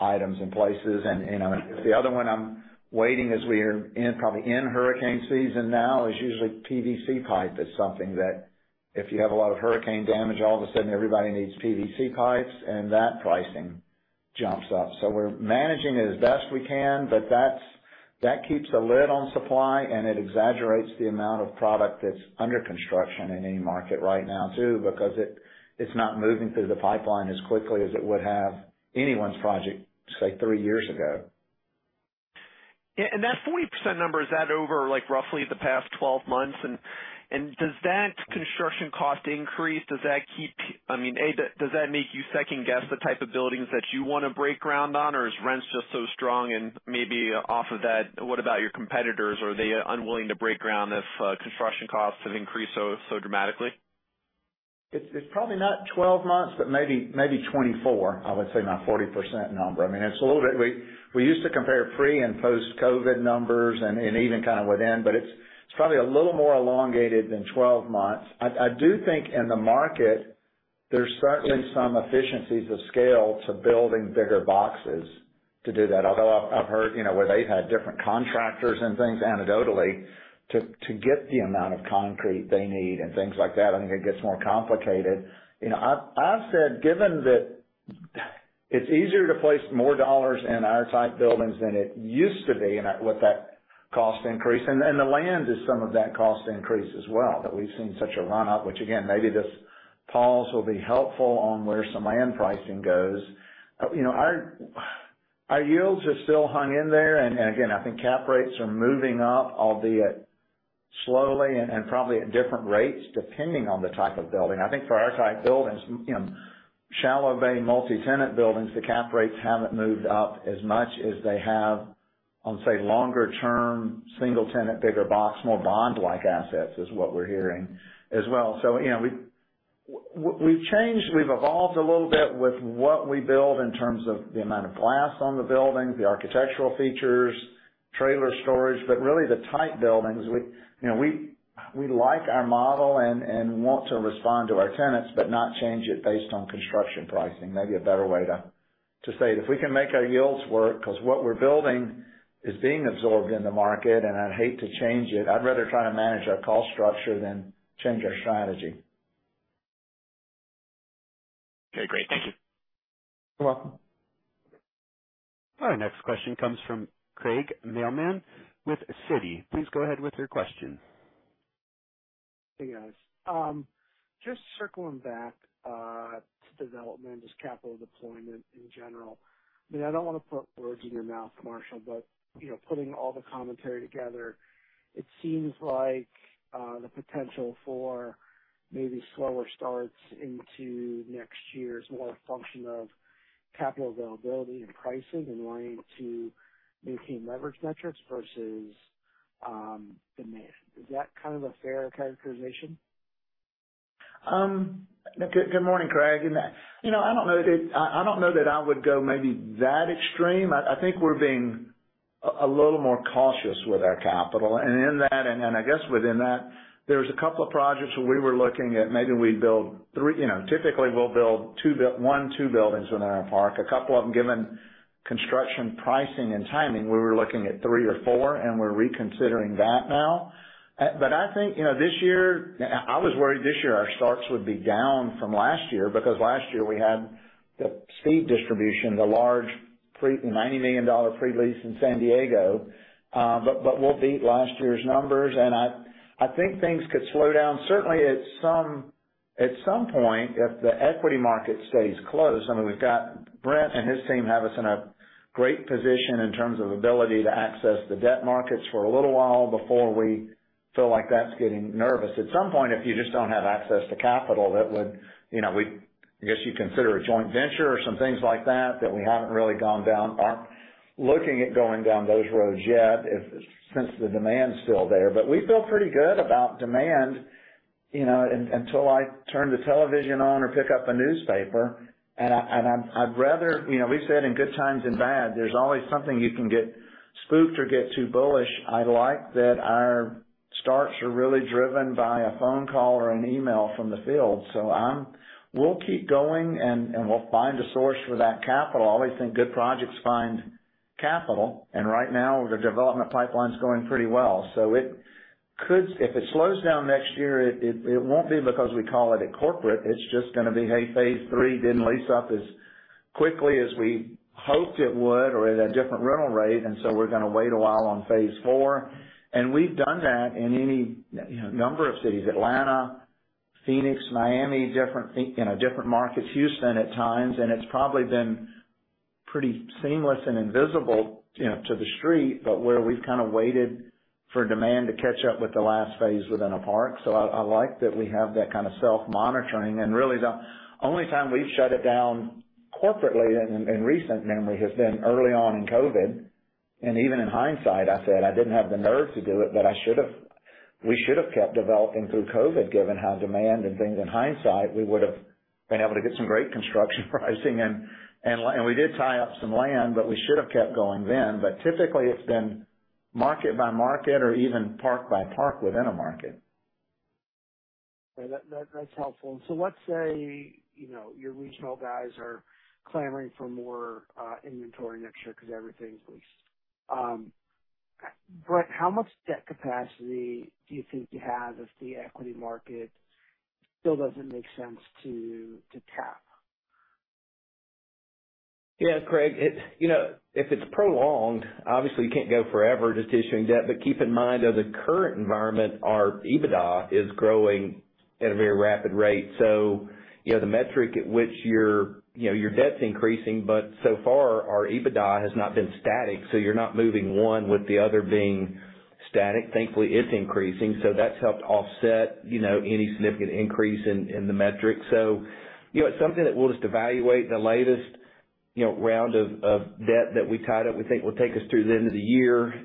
items and places. You know, the other one I'm waiting as we're in, probably in hurricane season now is usually PVC pipe is something that if you have a lot of hurricane damage, all of a sudden everybody needs PVC pipes, and that pricing jumps up. We're managing it as best we can, but that keeps a lid on supply, and it exaggerates the amount of product that's under construction in any market right now too, because it's not moving through the pipeline as quickly as it would have anyone's project, say, three years ago. Yeah. That 40% number, is that over, like, roughly the past 12 months? Does that construction cost increase make you second-guess the type of buildings that you wanna break ground on? Or is rents just so strong? Maybe off of that, what about your competitors? Are they unwilling to break ground if construction costs have increased so dramatically? It's probably not 12 months, but maybe 24, I would say, my 40% number. I mean, it's a little bit. We used to compare pre- and post-COVID numbers and even kind of within, but it's probably a little more elongated than 12 months. I do think in the market there's certainly some economies of scale to building bigger boxes to do that. Although I've heard, you know, where they've had different contractors and things anecdotally to get the amount of concrete they need and things like that, I think it gets more complicated. You know, I've said, given that it's easier to place more dollars in our type buildings than it used to be and with that cost increase, and the land is some of that cost increase as well, that we've seen such a run-up, which again, maybe this pause will be helpful on where some land pricing goes. You know, our yields are still hanging in there. And again, I think cap rates are moving up, albeit slowly and probably at different rates, depending on the type of building. I think for our type buildings, you know, shallow bay multi-tenant buildings, the cap rates haven't moved up as much as they have on, say, longer term, single tenant, bigger box, more bond-like assets, is what we're hearing as well. You know, we've changed, we've evolved a little bit with what we build in terms of the amount of glass on the buildings, the architectural features, trailer storage, but really the type buildings. We, you know, we like our model and want to respond to our tenants, but not change it based on construction pricing. Maybe a better way to say it. If we can make our yields work because what we're building is being absorbed in the market, and I'd hate to change it. I'd rather try to manage our cost structure than change our strategy. Okay, great. Thank you. You're welcome. Our next question comes from Craig Mailman with Citi. Please go ahead with your question. Hey, guys. Just circling back to development, just capital deployment in general. I mean, I don't wanna put words in your mouth, Marshall, but, you know, putting all the commentary together, it seems like the potential for maybe slower starts into next year is more a function of capital availability and pricing and wanting to maintain leverage metrics versus demand. Is that kind of a fair characterization? Good morning, Craig. You know, I don't know that I would go maybe that extreme. I think we're being a little more cautious with our capital. In that, I guess within that, there's a couple of projects where we were looking at maybe we build three. You know, typically, we'll build one, two buildings within our park. A couple of them, given construction pricing and timing, we were looking at three or four, and we're reconsidering that now. But I think, you know, this year. I was worried this year our starts would be down from last year because last year we had the Steele Distribution, the large $90 million pre-lease in San Diego. But we'll beat last year's numbers. I think things could slow down certainly at some point if the equity market stays closed. I mean, we've got Brent and his team have us in a great position in terms of ability to access the debt markets for a little while before we feel like that's getting nervous. At some point, if you just don't have access to capital, that would, you know, I guess you'd consider a joint venture or some things like that we haven't really gone down, aren't looking at going down those roads yet if, since the demand's still there. But we feel pretty good about demand, you know, until I turn the television on or pick up a newspaper, and I'm, I'd rather. You know, we've said in good times and bad, there's always something you can get spooked or get too bullish. I like that our starts are really driven by a phone call or an email from the field. We'll keep going and we'll find a source for that capital. I always think good projects find capital, and right now the development pipeline's going pretty well. If it slows down next year, it won't be because we call it at corporate. It's just gonna be, hey, phase three didn't lease up as quickly as we hoped it would or at a different rental rate, and so we're gonna wait a while on phase four. We've done that in any, you know, number of cities, Atlanta, Phoenix, Miami, different, you know, different markets, Houston at times. It's probably been pretty seamless and invisible, you know, to the street, but where we've kind of waited for demand to catch up with the last phase within a park. I like that we have that kind of self-monitoring. Really, the only time we've shut it down corporately in recent memory has been early on in COVID. Even in hindsight, I said I didn't have the nerve to do it, but I should have. We should have kept developing through COVID, given how demand and things in hindsight, we would've been able to get some great construction pricing. We did tie up some land, but we should have kept going then. Typically, it's been market by market or even park by park within a market. Okay. That's helpful. Let's say, you know, your regional guys are clamoring for more inventory next year because everything's leased. Brent, how much debt capacity do you think you have if the equity market still doesn't make sense to tap? Yeah, Craig, it's. You know, if it's prolonged, obviously, you can't go forever just issuing debt. Keep in mind, as a current environment, our EBITDA is growing at a very rapid rate. You know, the metric at which your, you know, your debt's increasing, but so far, our EBITDA has not been static, so you're not moving one with the other being static. Thankfully, it's increasing, so that's helped offset, you know, any significant increase in the metrics. You know, it's something that we'll just evaluate. The latest, you know, round of debt that we tied up, we think will take us through the end of the year.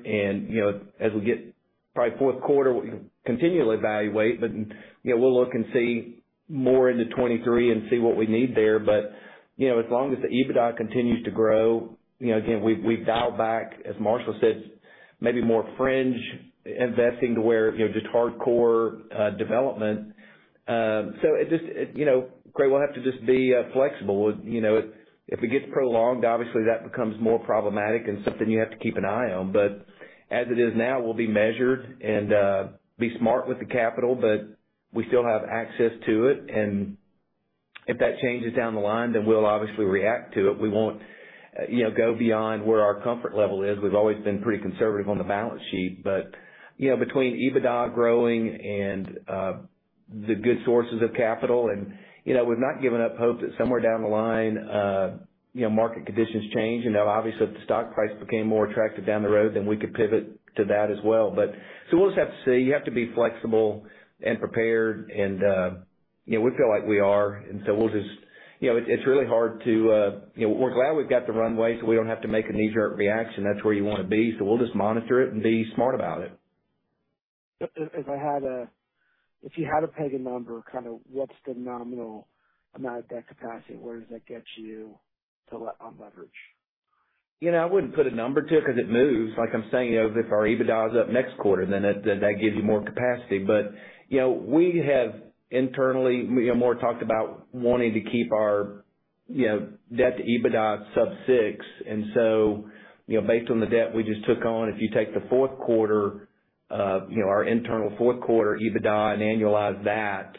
You know, as we get probably fourth quarter, we continually evaluate. You know, we'll look and see more into 2023 and see what we need there. You know, as long as the EBITDA continues to grow, you know, again, we've dialed back, as Marshall said, maybe more fringe investing to where, you know, just hardcore development. It just, you know, Craig, we'll have to just be flexible. You know, if it gets prolonged, obviously, that becomes more problematic and something you have to keep an eye on. As it is now, we'll be measured and be smart with the capital, but we still have access to it. If that changes down the line, then we'll obviously react to it. We won't, you know, go beyond where our comfort level is. We've always been pretty conservative on the balance sheet. You know, between EBITDA growing and the good sources of capital and You know, we've not given up hope that somewhere down the line, you know, market conditions change. You know, obviously, if the stock price became more attractive down the road, then we could pivot to that as well. We'll just have to see. You have to be flexible and prepared, and, you know, we feel like we are. You know, we're glad we've got the runway, so we don't have to make a knee-jerk reaction. That's where you wanna be. We'll just monitor it and be smart about it. If you had to peg a number, kind of what's the nominal amount of debt capacity? Where does that get you to net on leverage? You know, I wouldn't put a number to it because it moves. Like I'm saying, you know, if our EBITDA is up next quarter, then that gives you more capacity. You know, we have internally, you know, more talked about wanting to keep our, you know, debt to EBITDA sub six. You know, based on the debt we just took on, if you take the fourth quarter, you know, our internal fourth quarter EBITDA and annualize that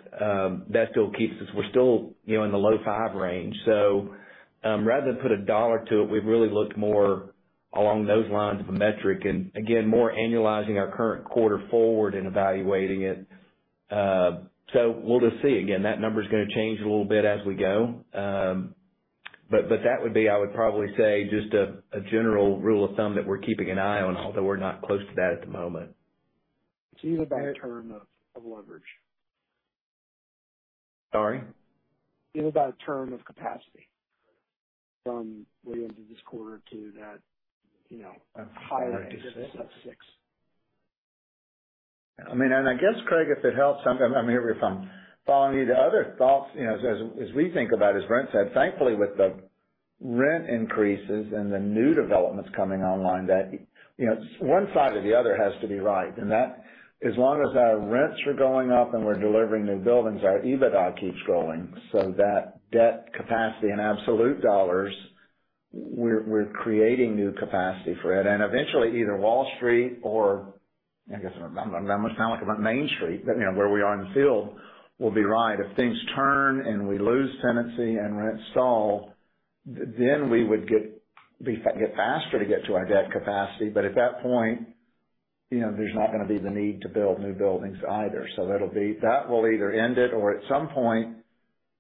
still keeps us. We're still, you know, in the low five range. Rather than put a dollar to it, we've really looked more along those lines of a metric and again, more annualizing our current quarter forward and evaluating it. We'll just see. Again, that number's gonna change a little bit as we go. That would be, I would probably say, just a general rule of thumb that we're keeping an eye on, although we're not close to that at the moment. You have a bad term of leverage? Sorry? It was about term of capacity from Q1 into this quarter to that, you know, higher exit of 6%. I mean, I guess, Craig, if it helps, I'm here if I'm following you. The other thoughts, you know, as we think about, as Brent said, thankfully, with the rent increases and the new developments coming online, that, you know, one side or the other has to be right. That as long as our rents are going up and we're delivering new buildings, our EBITDA keeps growing. That debt capacity in absolute dollars, we're creating new capacity for it. Eventually, either Wall Street or I guess, I'm gonna sound like I'm on Main Street, but, you know, where we are in the field, will be right. If things turn and we lose tenancy and rents stall, then we would get faster to get to our debt capacity. At that point, you know, there's not gonna be the need to build new buildings either. That'll be. That will either end it or at some point,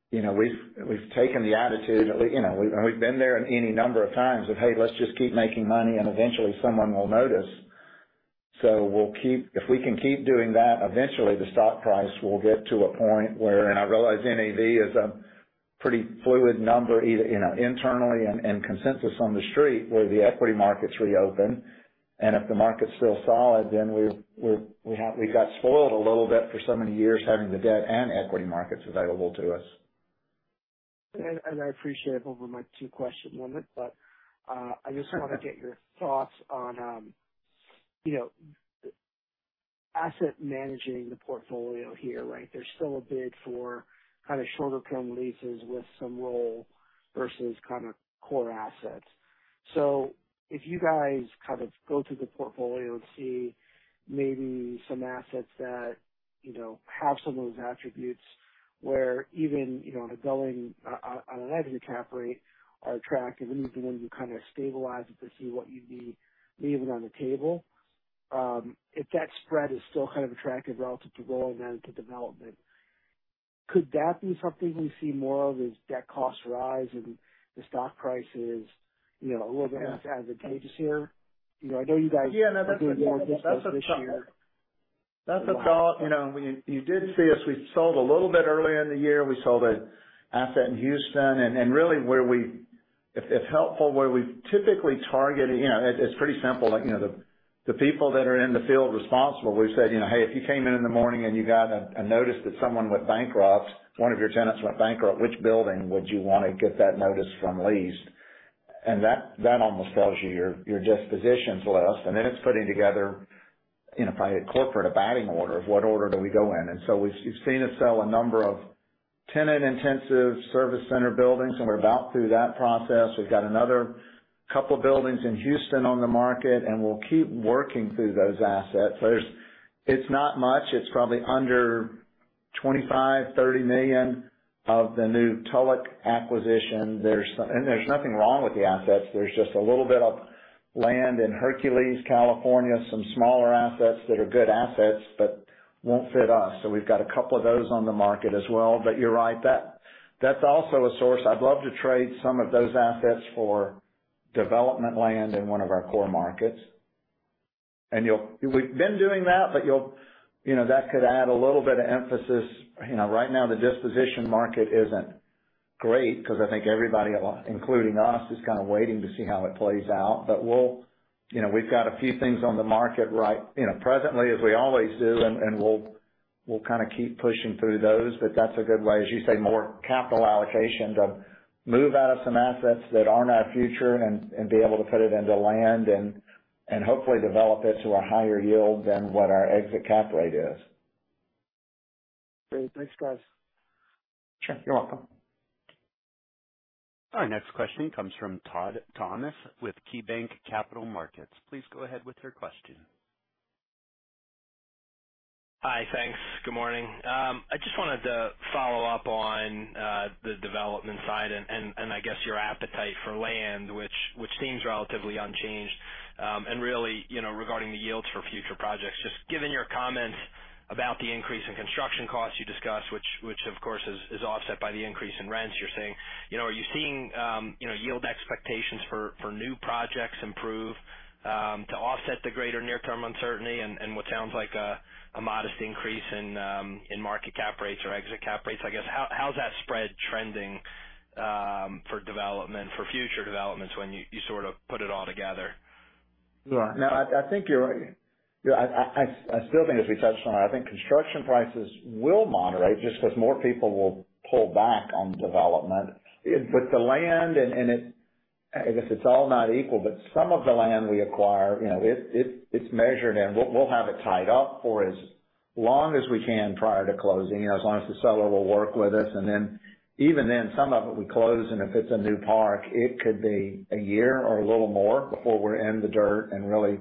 you know, we've taken the attitude, you know, we've been there in any number of times of, "Hey, let's just keep making money, and eventually someone will notice." We'll keep. If we can keep doing that, eventually the stock price will get to a point where, and I realize NAV is a pretty fluid number, either, you know, internally and consensus on the street, where the equity markets reopen, and if the market's still solid, we've got spoiled a little bit for so many years having the debt and equity markets available to us. I appreciate over my two-question limit, but I just wanna get your thoughts on, you know, asset managing the portfolio here, right? There's still a bid for kind of shorter-term leases with some roll versus kind of core assets. If you guys kind of go through the portfolio and see maybe some assets that, you know, have some of those attributes where even, you know, on a going-in, on an exit cap rate are attractive, even when you kind of stabilize it to see what you'd be leaving on the table, if that spread is still kind of attractive relative to roll and then to development, could that be something we see more of as debt costs rise and the stock price is, you know, a little bit advantageous here? You know, I know you guys- Yeah, no, that's a thought. That's a thought. You know, you did see us. We sold a little bit earlier in the year. We sold an asset in Houston. Really where we... If helpful, where we typically target, you know, it's pretty simple. Like, you know, the people that are in the field responsible, we've said, you know, "Hey, if you came in in the morning and you got a notice that someone went bankrupt, one of your tenants went bankrupt, which building would you wanna get that notice from leased?" That almost tells you your dispositions list. Then it's putting together, you know, by a corporate batting order of what order do we go in. You've seen us sell a number of tenant-intensive service center buildings, and we're about through that process. We've got another couple buildings in Houston on the market, and we'll keep working through those assets. There's. It's not much. It's probably under $25-$30 million of the new Tulloch acquisition. There's nothing wrong with the assets. There's just a little bit of land in Hercules, California, some smaller assets that are good assets but won't fit us. We've got a couple of those on the market as well. You're right. That, that's also a source. I'd love to trade some of those assets for development land in one of our core markets. We've been doing that, but you know, that could add a little bit of emphasis. You know, right now, the disposition market isn't great because I think everybody, including us, is kind of waiting to see how it plays out. We'll You know, we've got a few things on the market right, you know, presently as we always do, and we'll kind of keep pushing through those. That's a good way, as you say, more capital allocation to move out of some assets that aren't our future and be able to put it into land and hopefully develop it to a higher yield than what our exit cap rate is. Great. Thanks, guys. Sure. You're welcome. Our next question comes from Todd Thomas with KeyBanc Capital Markets. Please go ahead with your question. Hi. Thanks. Good morning. I just wanted to follow up on the development side and I guess your appetite for land, which seems relatively unchanged, and really, you know, regarding the yields for future projects. Just given your comments about the increase in construction costs you discussed, which of course is offset by the increase in rents you're seeing, you know, are you seeing yield expectations for new projects improve to offset the greater near-term uncertainty and what sounds like a modest increase in market cap rates or exit cap rates? I guess, how's that spread trending for development, for future developments when you sort of put it all together? No, I think you're right. You know, I still think, as we touched on, I think construction prices will moderate just because more people will pull back on development. I guess it's all not equal, but some of the land we acquire, you know, it's measured, and we'll have it tied up for as long as we can prior to closing, you know, as long as the seller will work with us. Even then, some of it we close, and if it's a new park, it could be a year or a little more before we're in the dirt and really,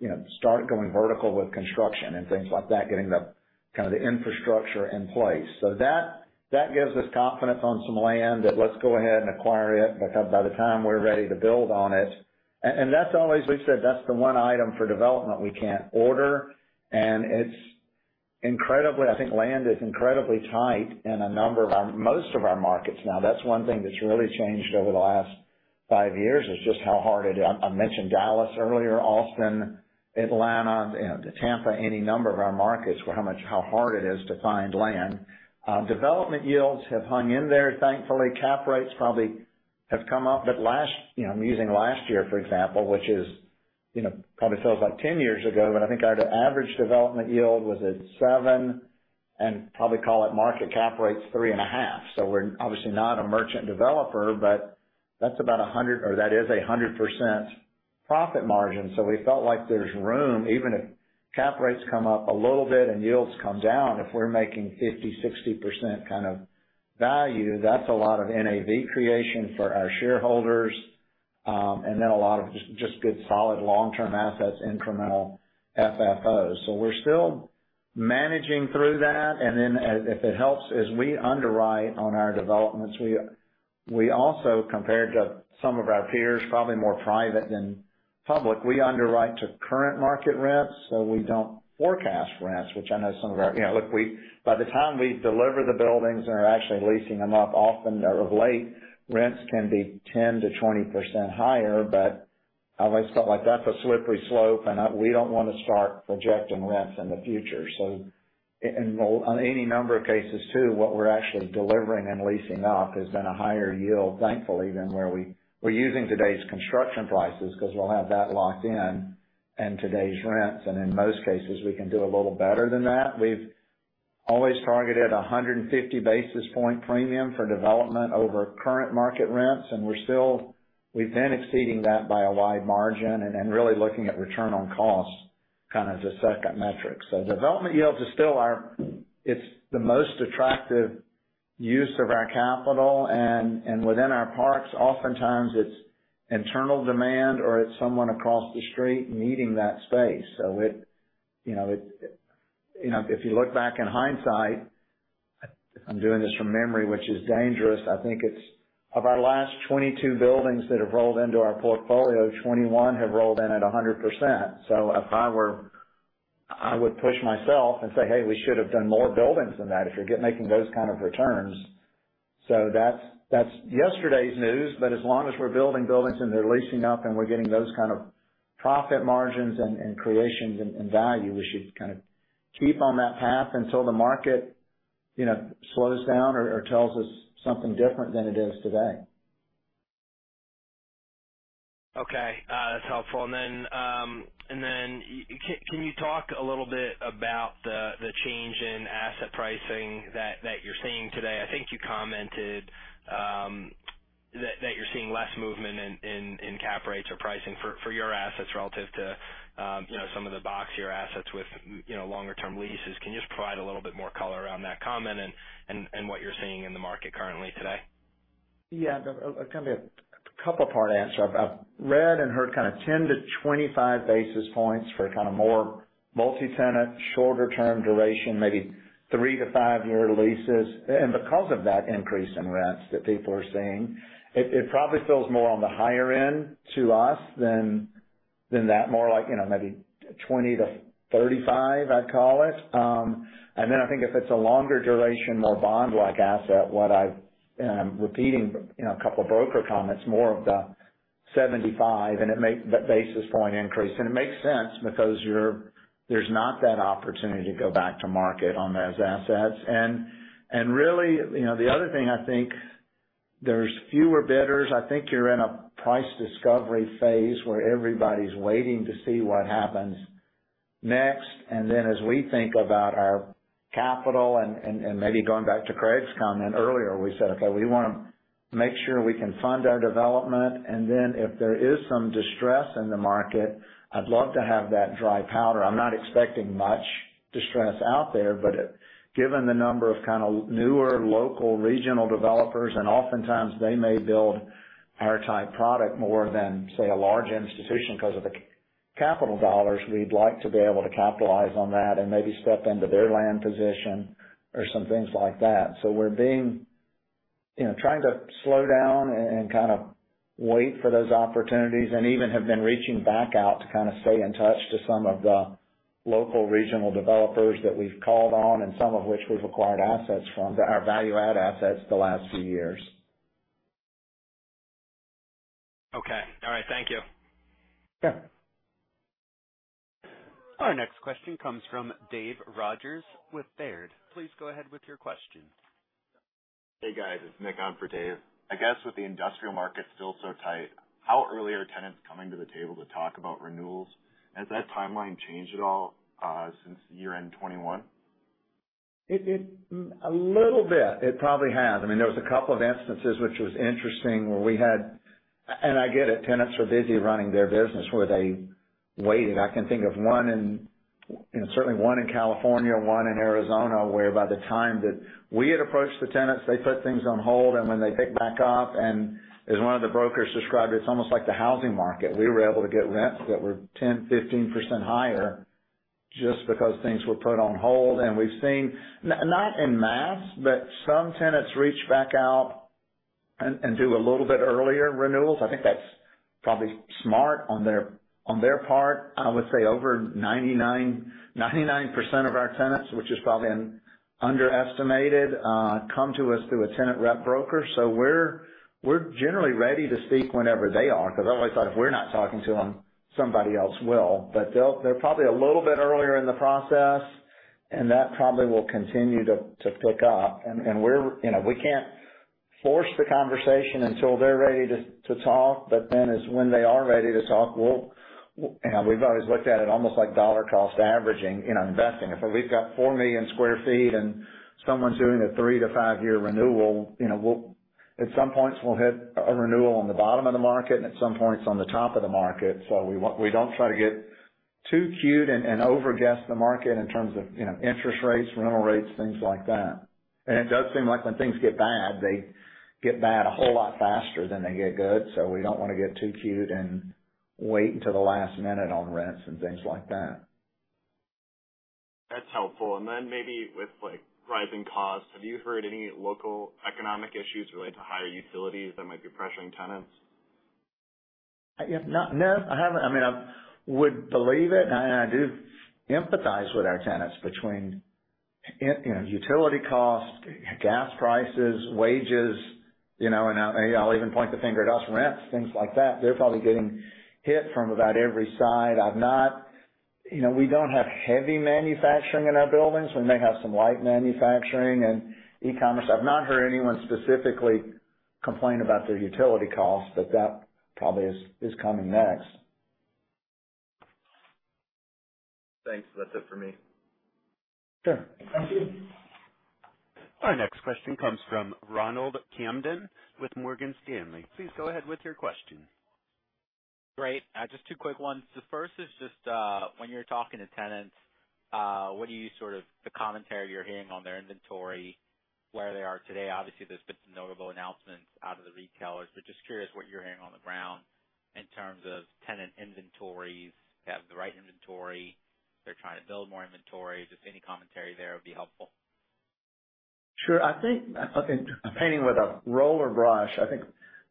you know, start going vertical with construction and things like that, getting the kind of infrastructure in place. That gives us confidence on some land that, let's go ahead and acquire it, because by the time we're ready to build on it. That's always, we've said that's the one item for development we can't order. It's incredibly. I think land is incredibly tight in a number of our most of our markets now. That's one thing that's really changed over the last five years is just how hard it. I mentioned Dallas earlier, Austin, Atlanta, and Tampa, any number of our markets, where how much, how hard it is to find land. Development yields have hung in there, thankfully. Cap rates probably have come up, but last, you know, I'm using last year, for example, which is, you know, probably feels like 10 years ago, but I think our average development yield was at 7, and probably call it market cap rate's 3.5. We're obviously not a merchant developer, but that's about a hundred or that is 100% profit margin, so we felt like there's room. Even if cap rates come up a little bit and yields come down, if we're making 50, 60% kind of value, that's a lot of NAV creation for our shareholders, and then a lot of just good, solid long-term assets, incremental FFOs. We're still managing through that. If it helps, as we underwrite on our developments, we also, compared to some of our peers, probably more private than public, we underwrite to current market rents, so we don't forecast rents, which I know some of our. You know, look, we by the time we deliver the buildings and are actually leasing them up, often of late, rents can be 10%-20% higher. But I've always felt like that's a slippery slope, and we don't wanna start projecting rents in the future. So in any number of cases too, what we're actually delivering and leasing up has been a higher yield, thankfully, than where we're using today's construction prices because we'll have that locked in and today's rents. In most cases, we can do a little better than that. We've always targeted 150 basis points premium for development over current market rents. We've been exceeding that by a wide margin and really looking at return on cost, kind of the second metric. Development yields is still our most attractive use of our capital. Within our parks, oftentimes it's internal demand or it's someone across the street needing that space. You know, if you look back in hindsight, I'm doing this from memory, which is dangerous. I think it's of our last 22 buildings that have rolled into our portfolio, 21 have rolled in at 100%. I would push myself and say, "Hey, we should have done more buildings than that if you're getting those kind of returns." That's yesterday's news. As long as we're building buildings and they're leasing up and we're getting those kind of profit margins and creations and value, we should kind of keep on that path until the market, you know, slows down or tells us something different than it is today. Okay. That's helpful. Can you talk a little bit about the change in asset pricing that you're seeing today? I think you commented that you're seeing less movement in cap rates or pricing for your assets relative to, you know, some of the big box assets with, you know, longer term leases. Can you just provide a little bit more color around that comment and what you're seeing in the market currently today? Yeah. It's gonna be a couple part answer. I've read and heard kind of 10-25 basis points for kind of more multi-tenant, shorter term duration, maybe three-five-year leases. Because of that increase in rents that people are seeing, it probably feels more on the higher end to us than that. More like, you know, maybe 20-35, I'd call it. I think if it's a longer duration, more bond-like asset, I'm repeating, you know, a couple broker comments, more of the 75 basis point increase. It makes sense because there's not that opportunity to go back to market on those assets. Really, you know, the other thing, I think, there's fewer bidders. I think you're in a price discovery phase where everybody's waiting to see what happens next. Then as we think about our capital and maybe going back to Craig's comment earlier, we said, okay, we wanna make sure we can fund our development. Then if there is some distress in the market, I'd love to have that dry powder. I'm not expecting much distress out there, but given the number of kind of newer local regional developers, and oftentimes they may build our type product more than, say, a large institution because of the capital dollars, we'd like to be able to capitalize on that and maybe step into their land position or some things like that. We're being... You know, trying to slow down and kind of wait for those opportunities and even have been reaching back out to kind of stay in touch to some of the local regional developers that we've called on and some of which we've acquired assets from, our value add assets the last few years. Okay. All right. Thank you. Sure. Our next question comes from David Rodgers with Baird. Please go ahead with your question. Hey, guys. It's Nick on for Dave. I guess with the industrial market still so tight, how early are tenants coming to the table to talk about renewals? Has that timeline changed at all, since year-end 2021? A little bit, it probably has. I mean, there was a couple of instances which was interesting. I get it, tenants are busy running their business, where they waited. I can think of one in, you know, certainly one in California, one in Arizona, where by the time that we had approached the tenants, they put things on hold, and when they pick back up, and as one of the brokers described it's almost like the housing market. We were able to get rents that were 10%-15% higher just because things were put on hold. We've seen, not en masse, but some tenants reach back out and do a little bit earlier renewals. I think that probably smart on their part. I would say over 99.99% of our tenants, which is probably an underestimate, come to us through a tenant rep broker. We're generally ready to speak whenever they are, because I've always thought if we're not talking to them, somebody else will. They're probably a little bit earlier in the process, and that probably will continue to pick up. We're, you know, we can't force the conversation until they're ready to talk. Then is when they are ready to talk, we'll. You know, we've always looked at it almost like dollar cost averaging in our investing. If we've got 4 million sq ft and someone's doing a 3-5-year renewal, you know, we'll at some points hit a renewal on the bottom of the market and at some points on the top of the market. We don't try to get too cute and overguess the market in terms of, you know, interest rates, rental rates, things like that. It does seem like when things get bad, they get bad a whole lot faster than they get good. We don't wanna get too cute and wait until the last minute on rents and things like that. That's helpful. Maybe with, like, rising costs, have you heard any local economic issues related to higher utilities that might be pressuring tenants? I have not. No, I haven't. I mean, I would believe it, and I do empathize with our tenants between, you know, utility costs, gas prices, wages, you know, and I'll even point the finger at us, rents, things like that. They're probably getting hit from about every side. I've not. You know, we don't have heavy manufacturing in our buildings. We may have some light manufacturing and e-commerce. I've not heard anyone specifically complain about their utility costs, but that probably is coming next. Thanks. That's it for me. Sure. Thank you. Our next question comes from Ronald Kamdem with Morgan Stanley. Please go ahead with your question. Great. Just two quick ones. The first is just, when you're talking to tenants, what sort of commentary you're hearing on their inventory, where they are today? Obviously, there's been some notable announcements out of the retailers. Just curious what you're hearing on the ground in terms of tenant inventories. Do they have the right inventory? They're trying to build more inventory. Just any commentary there would be helpful. Sure. I think painting with a broad brush,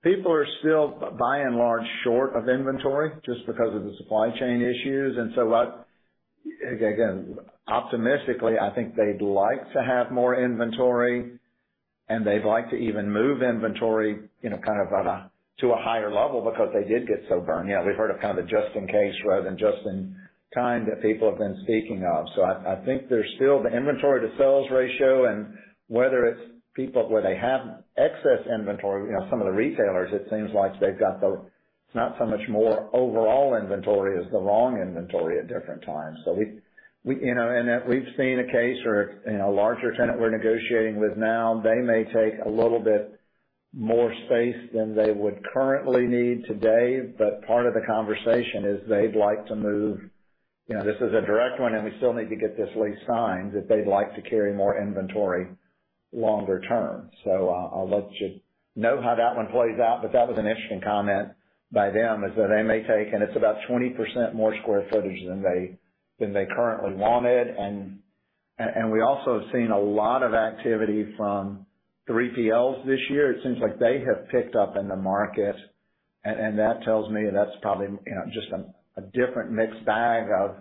people are still, by and large, short of inventory just because of the supply chain issues. Again, optimistically, I think they'd like to have more inventory, and they'd like to even move inventory, you know, to a higher level because they did get so burned. Yeah, we've heard of kind of a just in case rather than just in time that people have been speaking of. I think there's still the inventory-to-sales ratio and whether it's people where they have excess inventory. You know, some of the retailers, it seems like they've got the, it's not so much more overall inventory as the wrong inventory at different times. We've seen a case where, you know, a larger tenant we're negotiating with now, they may take a little bit more space than they would currently need today, but part of the conversation is they'd like to move. You know, this is a direct one, and we still need to get this lease signed, that they'd like to carry more inventory longer term. So I'll let you know how that one plays out, but that was an interesting comment by them, is that they may take, and it's about 20% more square footage than they currently wanted. And we also have seen a lot of activity from 3PLs this year. It seems like they have picked up in the market, and that tells me that's probably, you know, just a different mixed bag of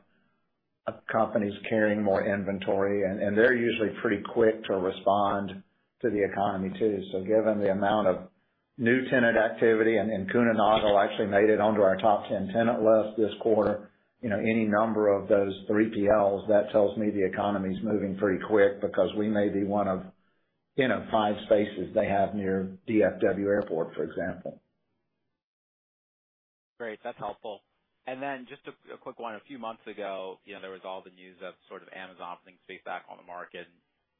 companies carrying more inventory. They're usually pretty quick to respond to the economy too. Given the amount of new tenant activity, Kuehne+Nagel actually made it onto our top 10 tenant list this quarter, you know, any number of those 3PLs, that tells me the economy's moving pretty quick because we may be one of, you know, five spaces they have near DFW Airport, for example. Great. That's helpful. Then just a quick one. A few months ago, you know, there was all the news of sort of Amazon putting space back on the market.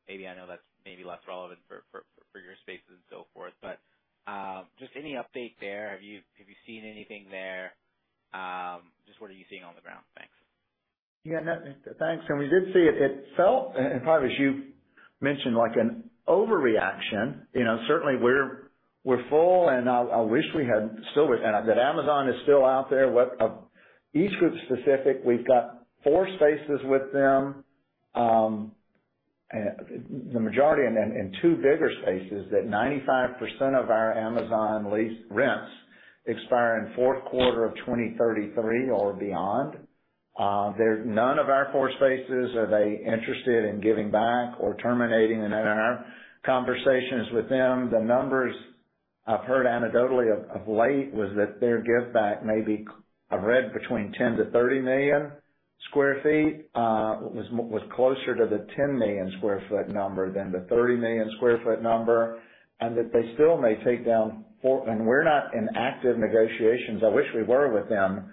Maybe I know that's maybe less relevant for your spaces and so forth, but just any update there? Have you seen anything there? Just what are you seeing on the ground? Thanks. Yeah, no, thanks. We did see it. It felt, part of it is you mentioned like an overreaction. You know, certainly we're full, and I wish we had. Still, with that, Amazon is still out there. What EastGroup's specific. We've got four spaces with them, the majority of them in two bigger spaces that 95% of our Amazon lease rents expire in fourth quarter of 2033 or beyond. None of our four spaces are they interested in giving back or terminating. In our conversations with them, the numbers I've heard anecdotally of late was that their give back may be, I've read between 10-30 million sq ft, was closer to the 10 million sq ft number than the 30 million sq ft number. And that they still may take down four. We're not in active negotiations. I wish we were with them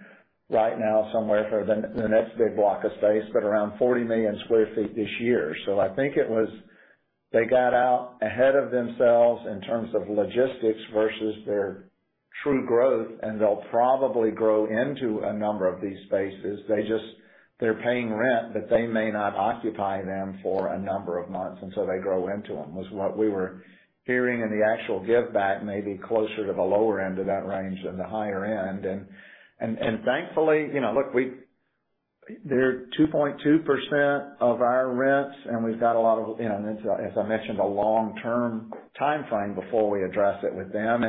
right now, somewhere for the next big block of space, but around 40 million sq ft this year. I think it was they got out ahead of themselves in terms of logistics versus their true growth, and they'll probably grow into a number of these spaces. They just, they're paying rent, but they may not occupy them for a number of months, and so they grow into them, was what we were hearing in the actual give back, maybe closer to the lower end of that range than the higher end. Thankfully, you know, look, they're 2.2% of our rents, and we've got a lot of, you know, as I mentioned, a long-term timeframe before we address it with them.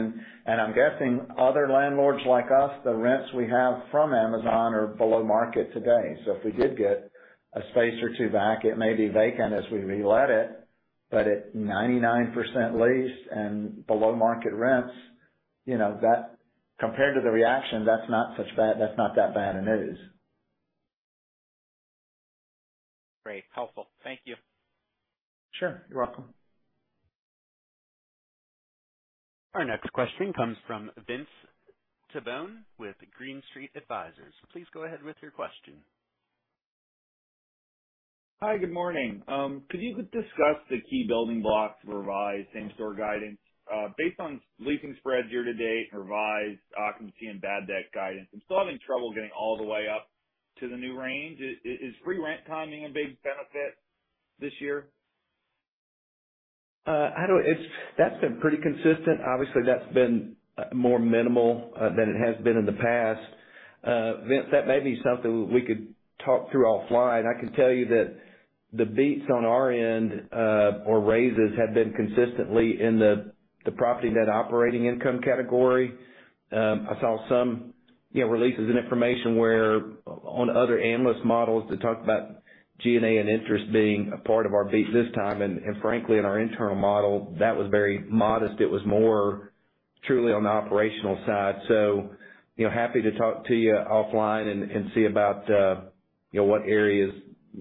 I'm guessing other landlords like us, the rents we have from Amazon are below market today. If we did get a space or two back, it may be vacant as we relet it, but at 99% leased and below market rents, you know, that compared to the reaction, that's not that bad a news. Great. Helpful. Thank you. Sure. You're welcome. Our next question comes from Vince Tibone with Green Street Advisors. Please go ahead with your question. Hi, good morning. Could you discuss the key building blocks revised same-store guidance, based on leasing spreads year-to-date and revised occupancy and bad debt guidance? I'm still having trouble getting all the way up to the new range. Is free rent timing a big benefit this year? That's been pretty consistent. Obviously, that's been more minimal than it has been in the past. Vince, that may be something we could talk through offline. I can tell you that the beats on our end or raises have been consistently in the property net operating income category. I saw some, you know, releases and information where on other analyst models that talk about G&A and interest being a part of our beat this time, and frankly, in our internal model, that was very modest. It was more truly on the operational side. You know, happy to talk to you offline and see about what areas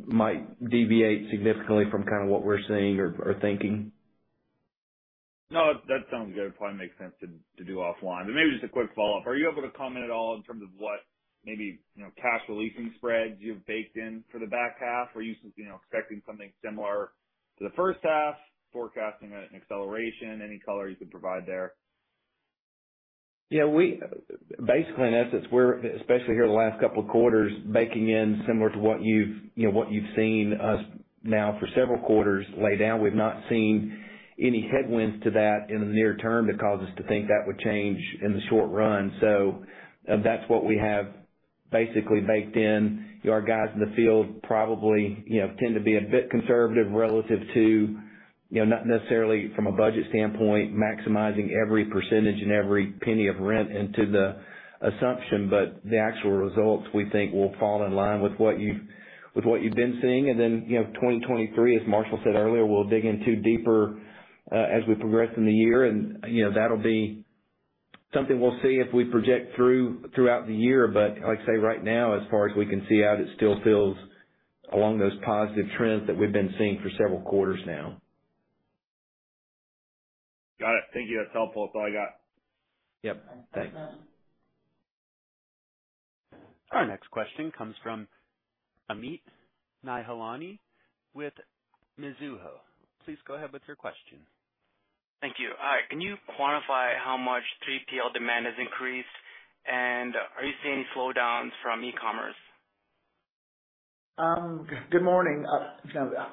might deviate significantly from kind of what we're seeing or thinking. No, that sounds good. Probably makes sense to do offline. Maybe just a quick follow-up. Are you able to comment at all in terms of what maybe, you know, cash releasing spreads you've baked in for the back half? Or are you know, expecting something similar to the first half, forecasting an acceleration? Any color you could provide there? Yeah, basically, in essence, we're especially here the last couple of quarters baking in similar to what you've, you know, what you've seen us now for several quarters lay down. We've not seen any headwinds to that in the near term that cause us to think that would change in the short run. So, that's what we have basically baked in. Our guys in the field probably, you know, tend to be a bit conservative relative to, you know, not necessarily from a budget standpoint, maximizing every percentage and every penny of rent into the assumption, but the actual results we think will fall in line with what you've, with what you've been seeing. Then, you know, 2023, as Marshall said earlier, we'll dig into deeper as we progress in the year. You know, that'll be something we'll see if we project throughout the year. Like I say, right now, as far as we can see out, it still feels along those positive trends that we've been seeing for several quarters now. Got it. Thank you. That's helpful. That's all I got. Yep. Thanks. Our next question comes from Omotayo Okusanya with Mizuho. Please go ahead with your question. Thank you. All right. Can you quantify how much 3PL demand has increased? Are you seeing any slowdowns from e-commerce? Good morning. You know,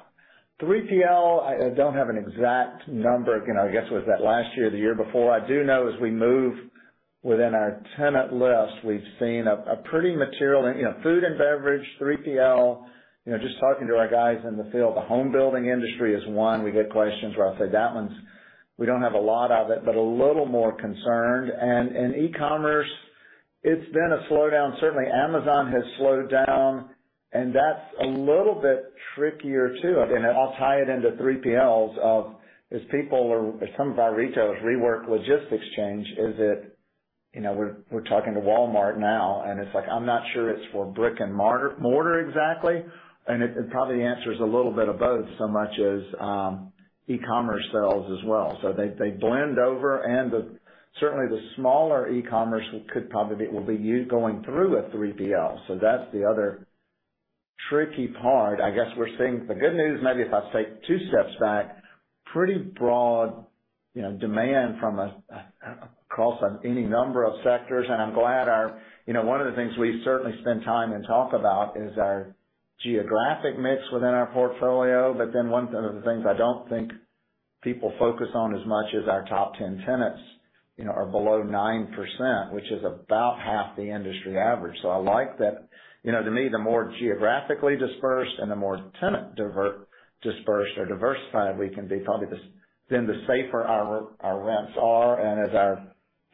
3PL, I don't have an exact number. You know, I guess it was that last year or the year before. I do know as we move within our tenant list, we've seen a pretty material. You know, food and beverage, 3PL, you know, just talking to our guys in the field, the home building industry is one. We get questions where I'll say that one's, we don't have a lot of it, but a little more concerned. In e-commerce, it's been a slowdown. Certainly, Amazon has slowed down, and that's a little bit trickier, too. I mean, I'll tie it into 3PL as people or some of our retailers rework logistics change is that, you know, we're talking to Walmart now, and it's like, I'm not sure it's for brick and mortar exactly. It probably answers a little bit of both, so much as e-commerce sales as well. They blend over. Certainly the smaller e-commerce will be you going through a 3PL. That's the other tricky part. I guess we're seeing the good news, maybe if I take two steps back, pretty broad, you know, demand from across any number of sectors. I'm glad. You know, one of the things we certainly spend time and talk about is our geographic mix within our portfolio. One of the things I don't think people focus on as much is our top 10 tenants, you know, are below 9%, which is about half the industry average. I like that. You know, to me, the more geographically dispersed and the more tenant diversified we can be, probably the safer our rents are. As our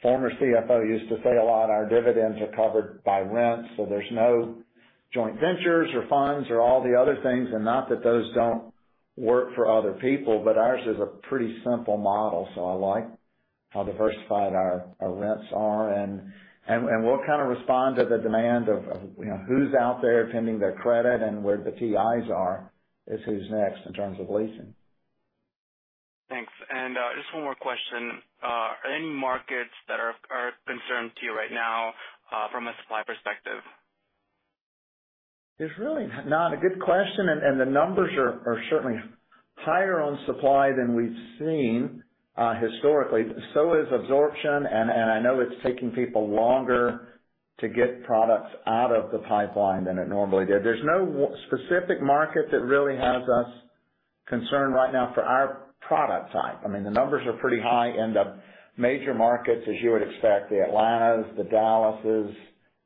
former CFO used to say a lot, our dividends are covered by rents, so there's no joint ventures or funds or all the other things. Not that those don't work for other people, but ours is a pretty simple model, so I like how diversified our rents are. We'll kind of respond to the demand of you know, who's out there tending their credit and where the TIs are is who's next in terms of leasing. Thanks. Just one more question. Any markets that are a concern to you right now, from a supply perspective? There's really not. A good question, and the numbers are certainly higher on supply than we've seen historically. Absorption is, and I know it's taking people longer to get products out of the pipeline than it normally did. There's no specific market that really has us concerned right now for our product type. I mean, the numbers are pretty high in the major markets, as you would expect, the Atlantas, the Dallases.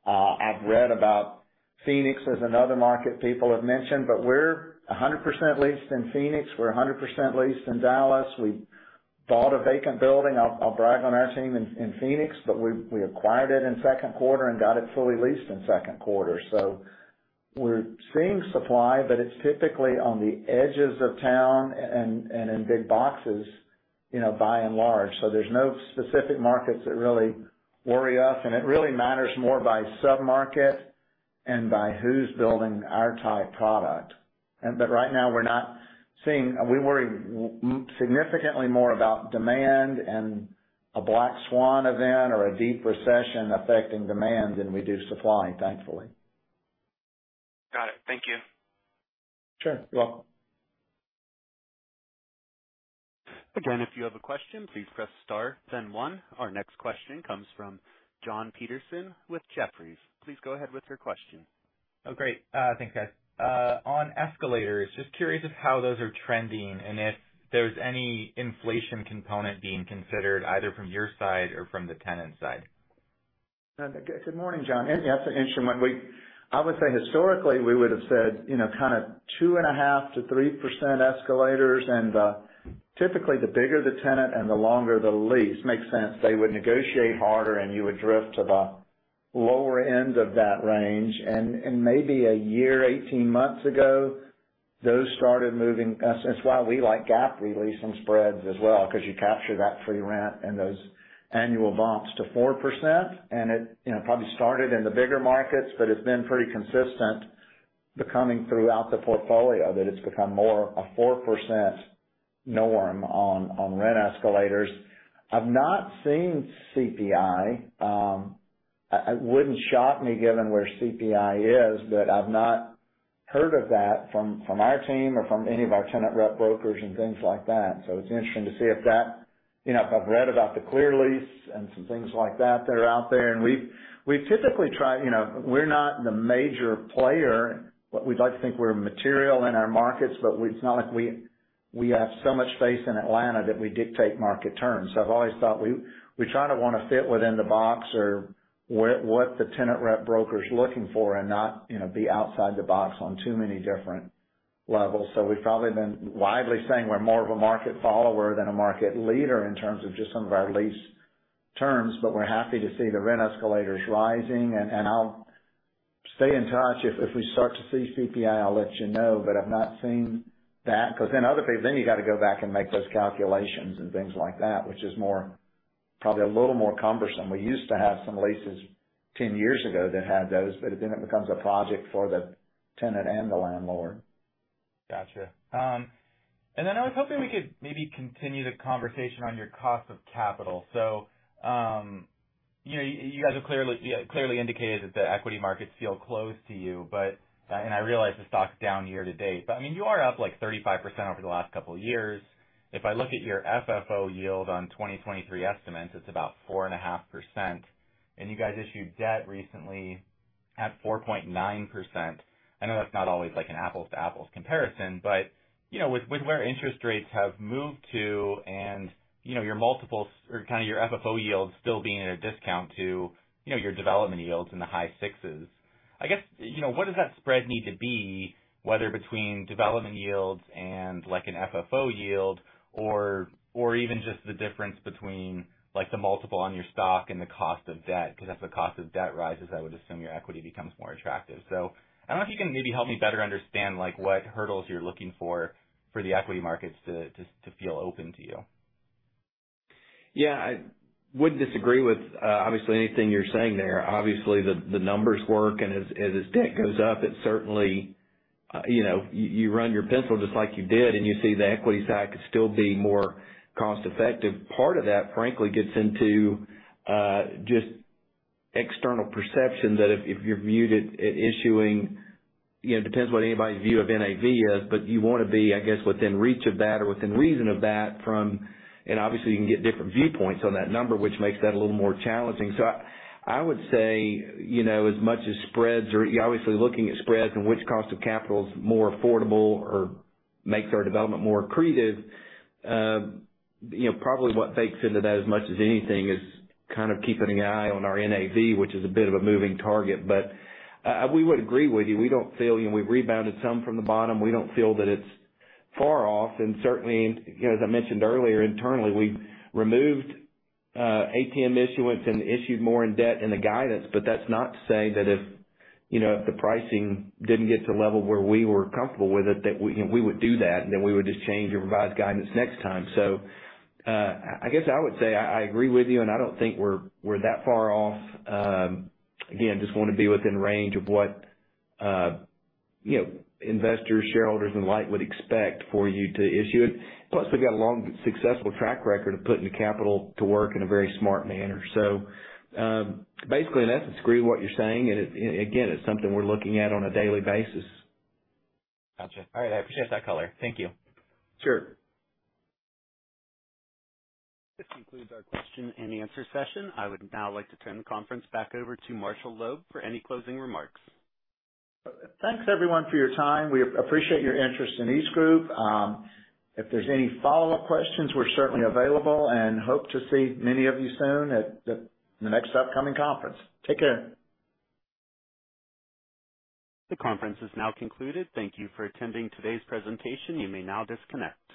I've read about Phoenix as another market people have mentioned, but we're 100% leased in Phoenix. We're 100% leased in Dallas. We bought a vacant building. I'll brag on our team in Phoenix, but we acquired it in second quarter and got it fully leased in second quarter. We're seeing supply, but it's typically on the edges of town and in big boxes, you know, by and large. There's no specific markets that really worry us, and it really matters more by sub-market and by who's building our type product. But right now, we worry significantly more about demand and a black swan event or a deep recession affecting demand than reduced supply, thankfully. Got it. Thank you. Sure. You're welcome. Again, if you have a question, please press star then one. Our next question comes from Jonathan Petersen with Jefferies. Please go ahead with your question. Oh, great. Thanks, guys. On escalators, just curious of how those are trending and if there's any inflation component being considered either from your side or from the tenant side. Good morning, John. That's an interesting one. I would say historically, we would've said, you know, kind of 2.5%-3% escalators. Typically, the bigger the tenant and the longer the lease, makes sense, they would negotiate harder, and you would drift to the lower end of that range. Maybe a year, 18 months ago, those started moving. That's why we like gap re-leasing spreads as well, 'cause you capture that free rent and those annual bumps to 4%. It, you know, probably started in the bigger markets, but it's been pretty consistent, becoming throughout the portfolio, that it's become more a 4% norm on rent escalators. I've not seen CPI. It wouldn't shock me given where CPI is, but I've not heard of that from our team or from any of our tenant rep brokers and things like that. It's interesting to see if that. You know, if I've read about the Clear Lease and some things like that are out there. We've typically tried. You know, we're not the major player. We'd like to think we're material in our markets, but it's not like we have so much space in Atlanta that we dictate market terms. I've always thought we try to wanna fit within the box or what the tenant rep broker's looking for and not, you know, be outside the box on too many different levels. We've probably been widely saying we're more of a market follower than a market leader in terms of just some of our lease terms, but we're happy to see the rent escalators rising. I'll stay in touch. If we start to see CPI, I'll let you know, but I've not seen that. 'Cause then other people then you gotta go back and make those calculations and things like that, which is more, probably a little more cumbersome. We used to have some leases 10 years ago that had those, but then it becomes a project for the tenant and the landlord. Gotcha. I was hoping we could maybe continue the conversation on your cost of capital. You know, you guys have clearly indicated that the equity markets feel close to you, but I realize the stock's down year to date, but I mean, you are up, like, 35% over the last couple years. If I look at your FFO yield on 2023 estimates, it's about 4.5%, and you guys issued debt recently at 4.9%. I know that's not always, like, an apples to apples comparison, but, you know, with where interest rates have moved to and, you know, your multiples or kind of your FFO yields still being at a discount to, you know, your development yields in the high sixes, I guess, you know, what does that spread need to be, whether between development yields and, like, an FFO yield, or even just the difference between, like, the multiple on your stock and the cost of debt? 'Cause as the cost of debt rises, I would assume your equity becomes more attractive. I don't know if you can maybe help me better understand, like, what hurdles you're looking for for the equity markets to feel open to you. Yeah. I wouldn't disagree with obviously anything you're saying there. Obviously, the numbers work, and as debt goes up, it certainly you know. You run your pencil just like you did, and you see the equity side could still be more cost-effective. Part of that, frankly, gets into just external perception that if you're viewed at issuing. You know, it depends what anybody's view of NAV is, but you wanna be, I guess, within reach of that or within reason of that from. Obviously, you can get different viewpoints on that number, which makes that a little more challenging. I would say, you know, as much as spreads or you're obviously looking at spreads and which cost of capital is more affordable or makes our development more accretive, you know, probably what bakes into that as much as anything is kind of keeping an eye on our NAV, which is a bit of a moving target. We would agree with you. We don't feel you know we've rebounded some from the bottom. We don't feel that it's far off. Certainly, you know, as I mentioned earlier, internally, we've removed ATM issuance and issued more in debt in the guidance. That's not to say that if, you know, if the pricing didn't get to a level where we were comfortable with it, that we, you know, we would do that, and then we would just change and revise guidance next time. I guess I would say I agree with you, and I don't think we're that far off. Again, just wanna be within range of what you know, investors, shareholders and the like would expect for you to issue it. Plus, we've got a long successful track record of putting the capital to work in a very smart manner. Basically, in essence, agree with what you're saying, and it again, it's something we're looking at on a daily basis. Gotcha. All right. I appreciate that color. Thank you. Sure. This concludes our question and answer session. I would now like to turn the conference back over to Marshall Loeb for any closing remarks. Thanks, everyone, for your time. We appreciate your interest in EastGroup. If there's any follow-up questions, we're certainly available and hope to see many of you soon at the next upcoming conference. Take care. The conference is now concluded. Thank you for attending today's presentation. You may now disconnect.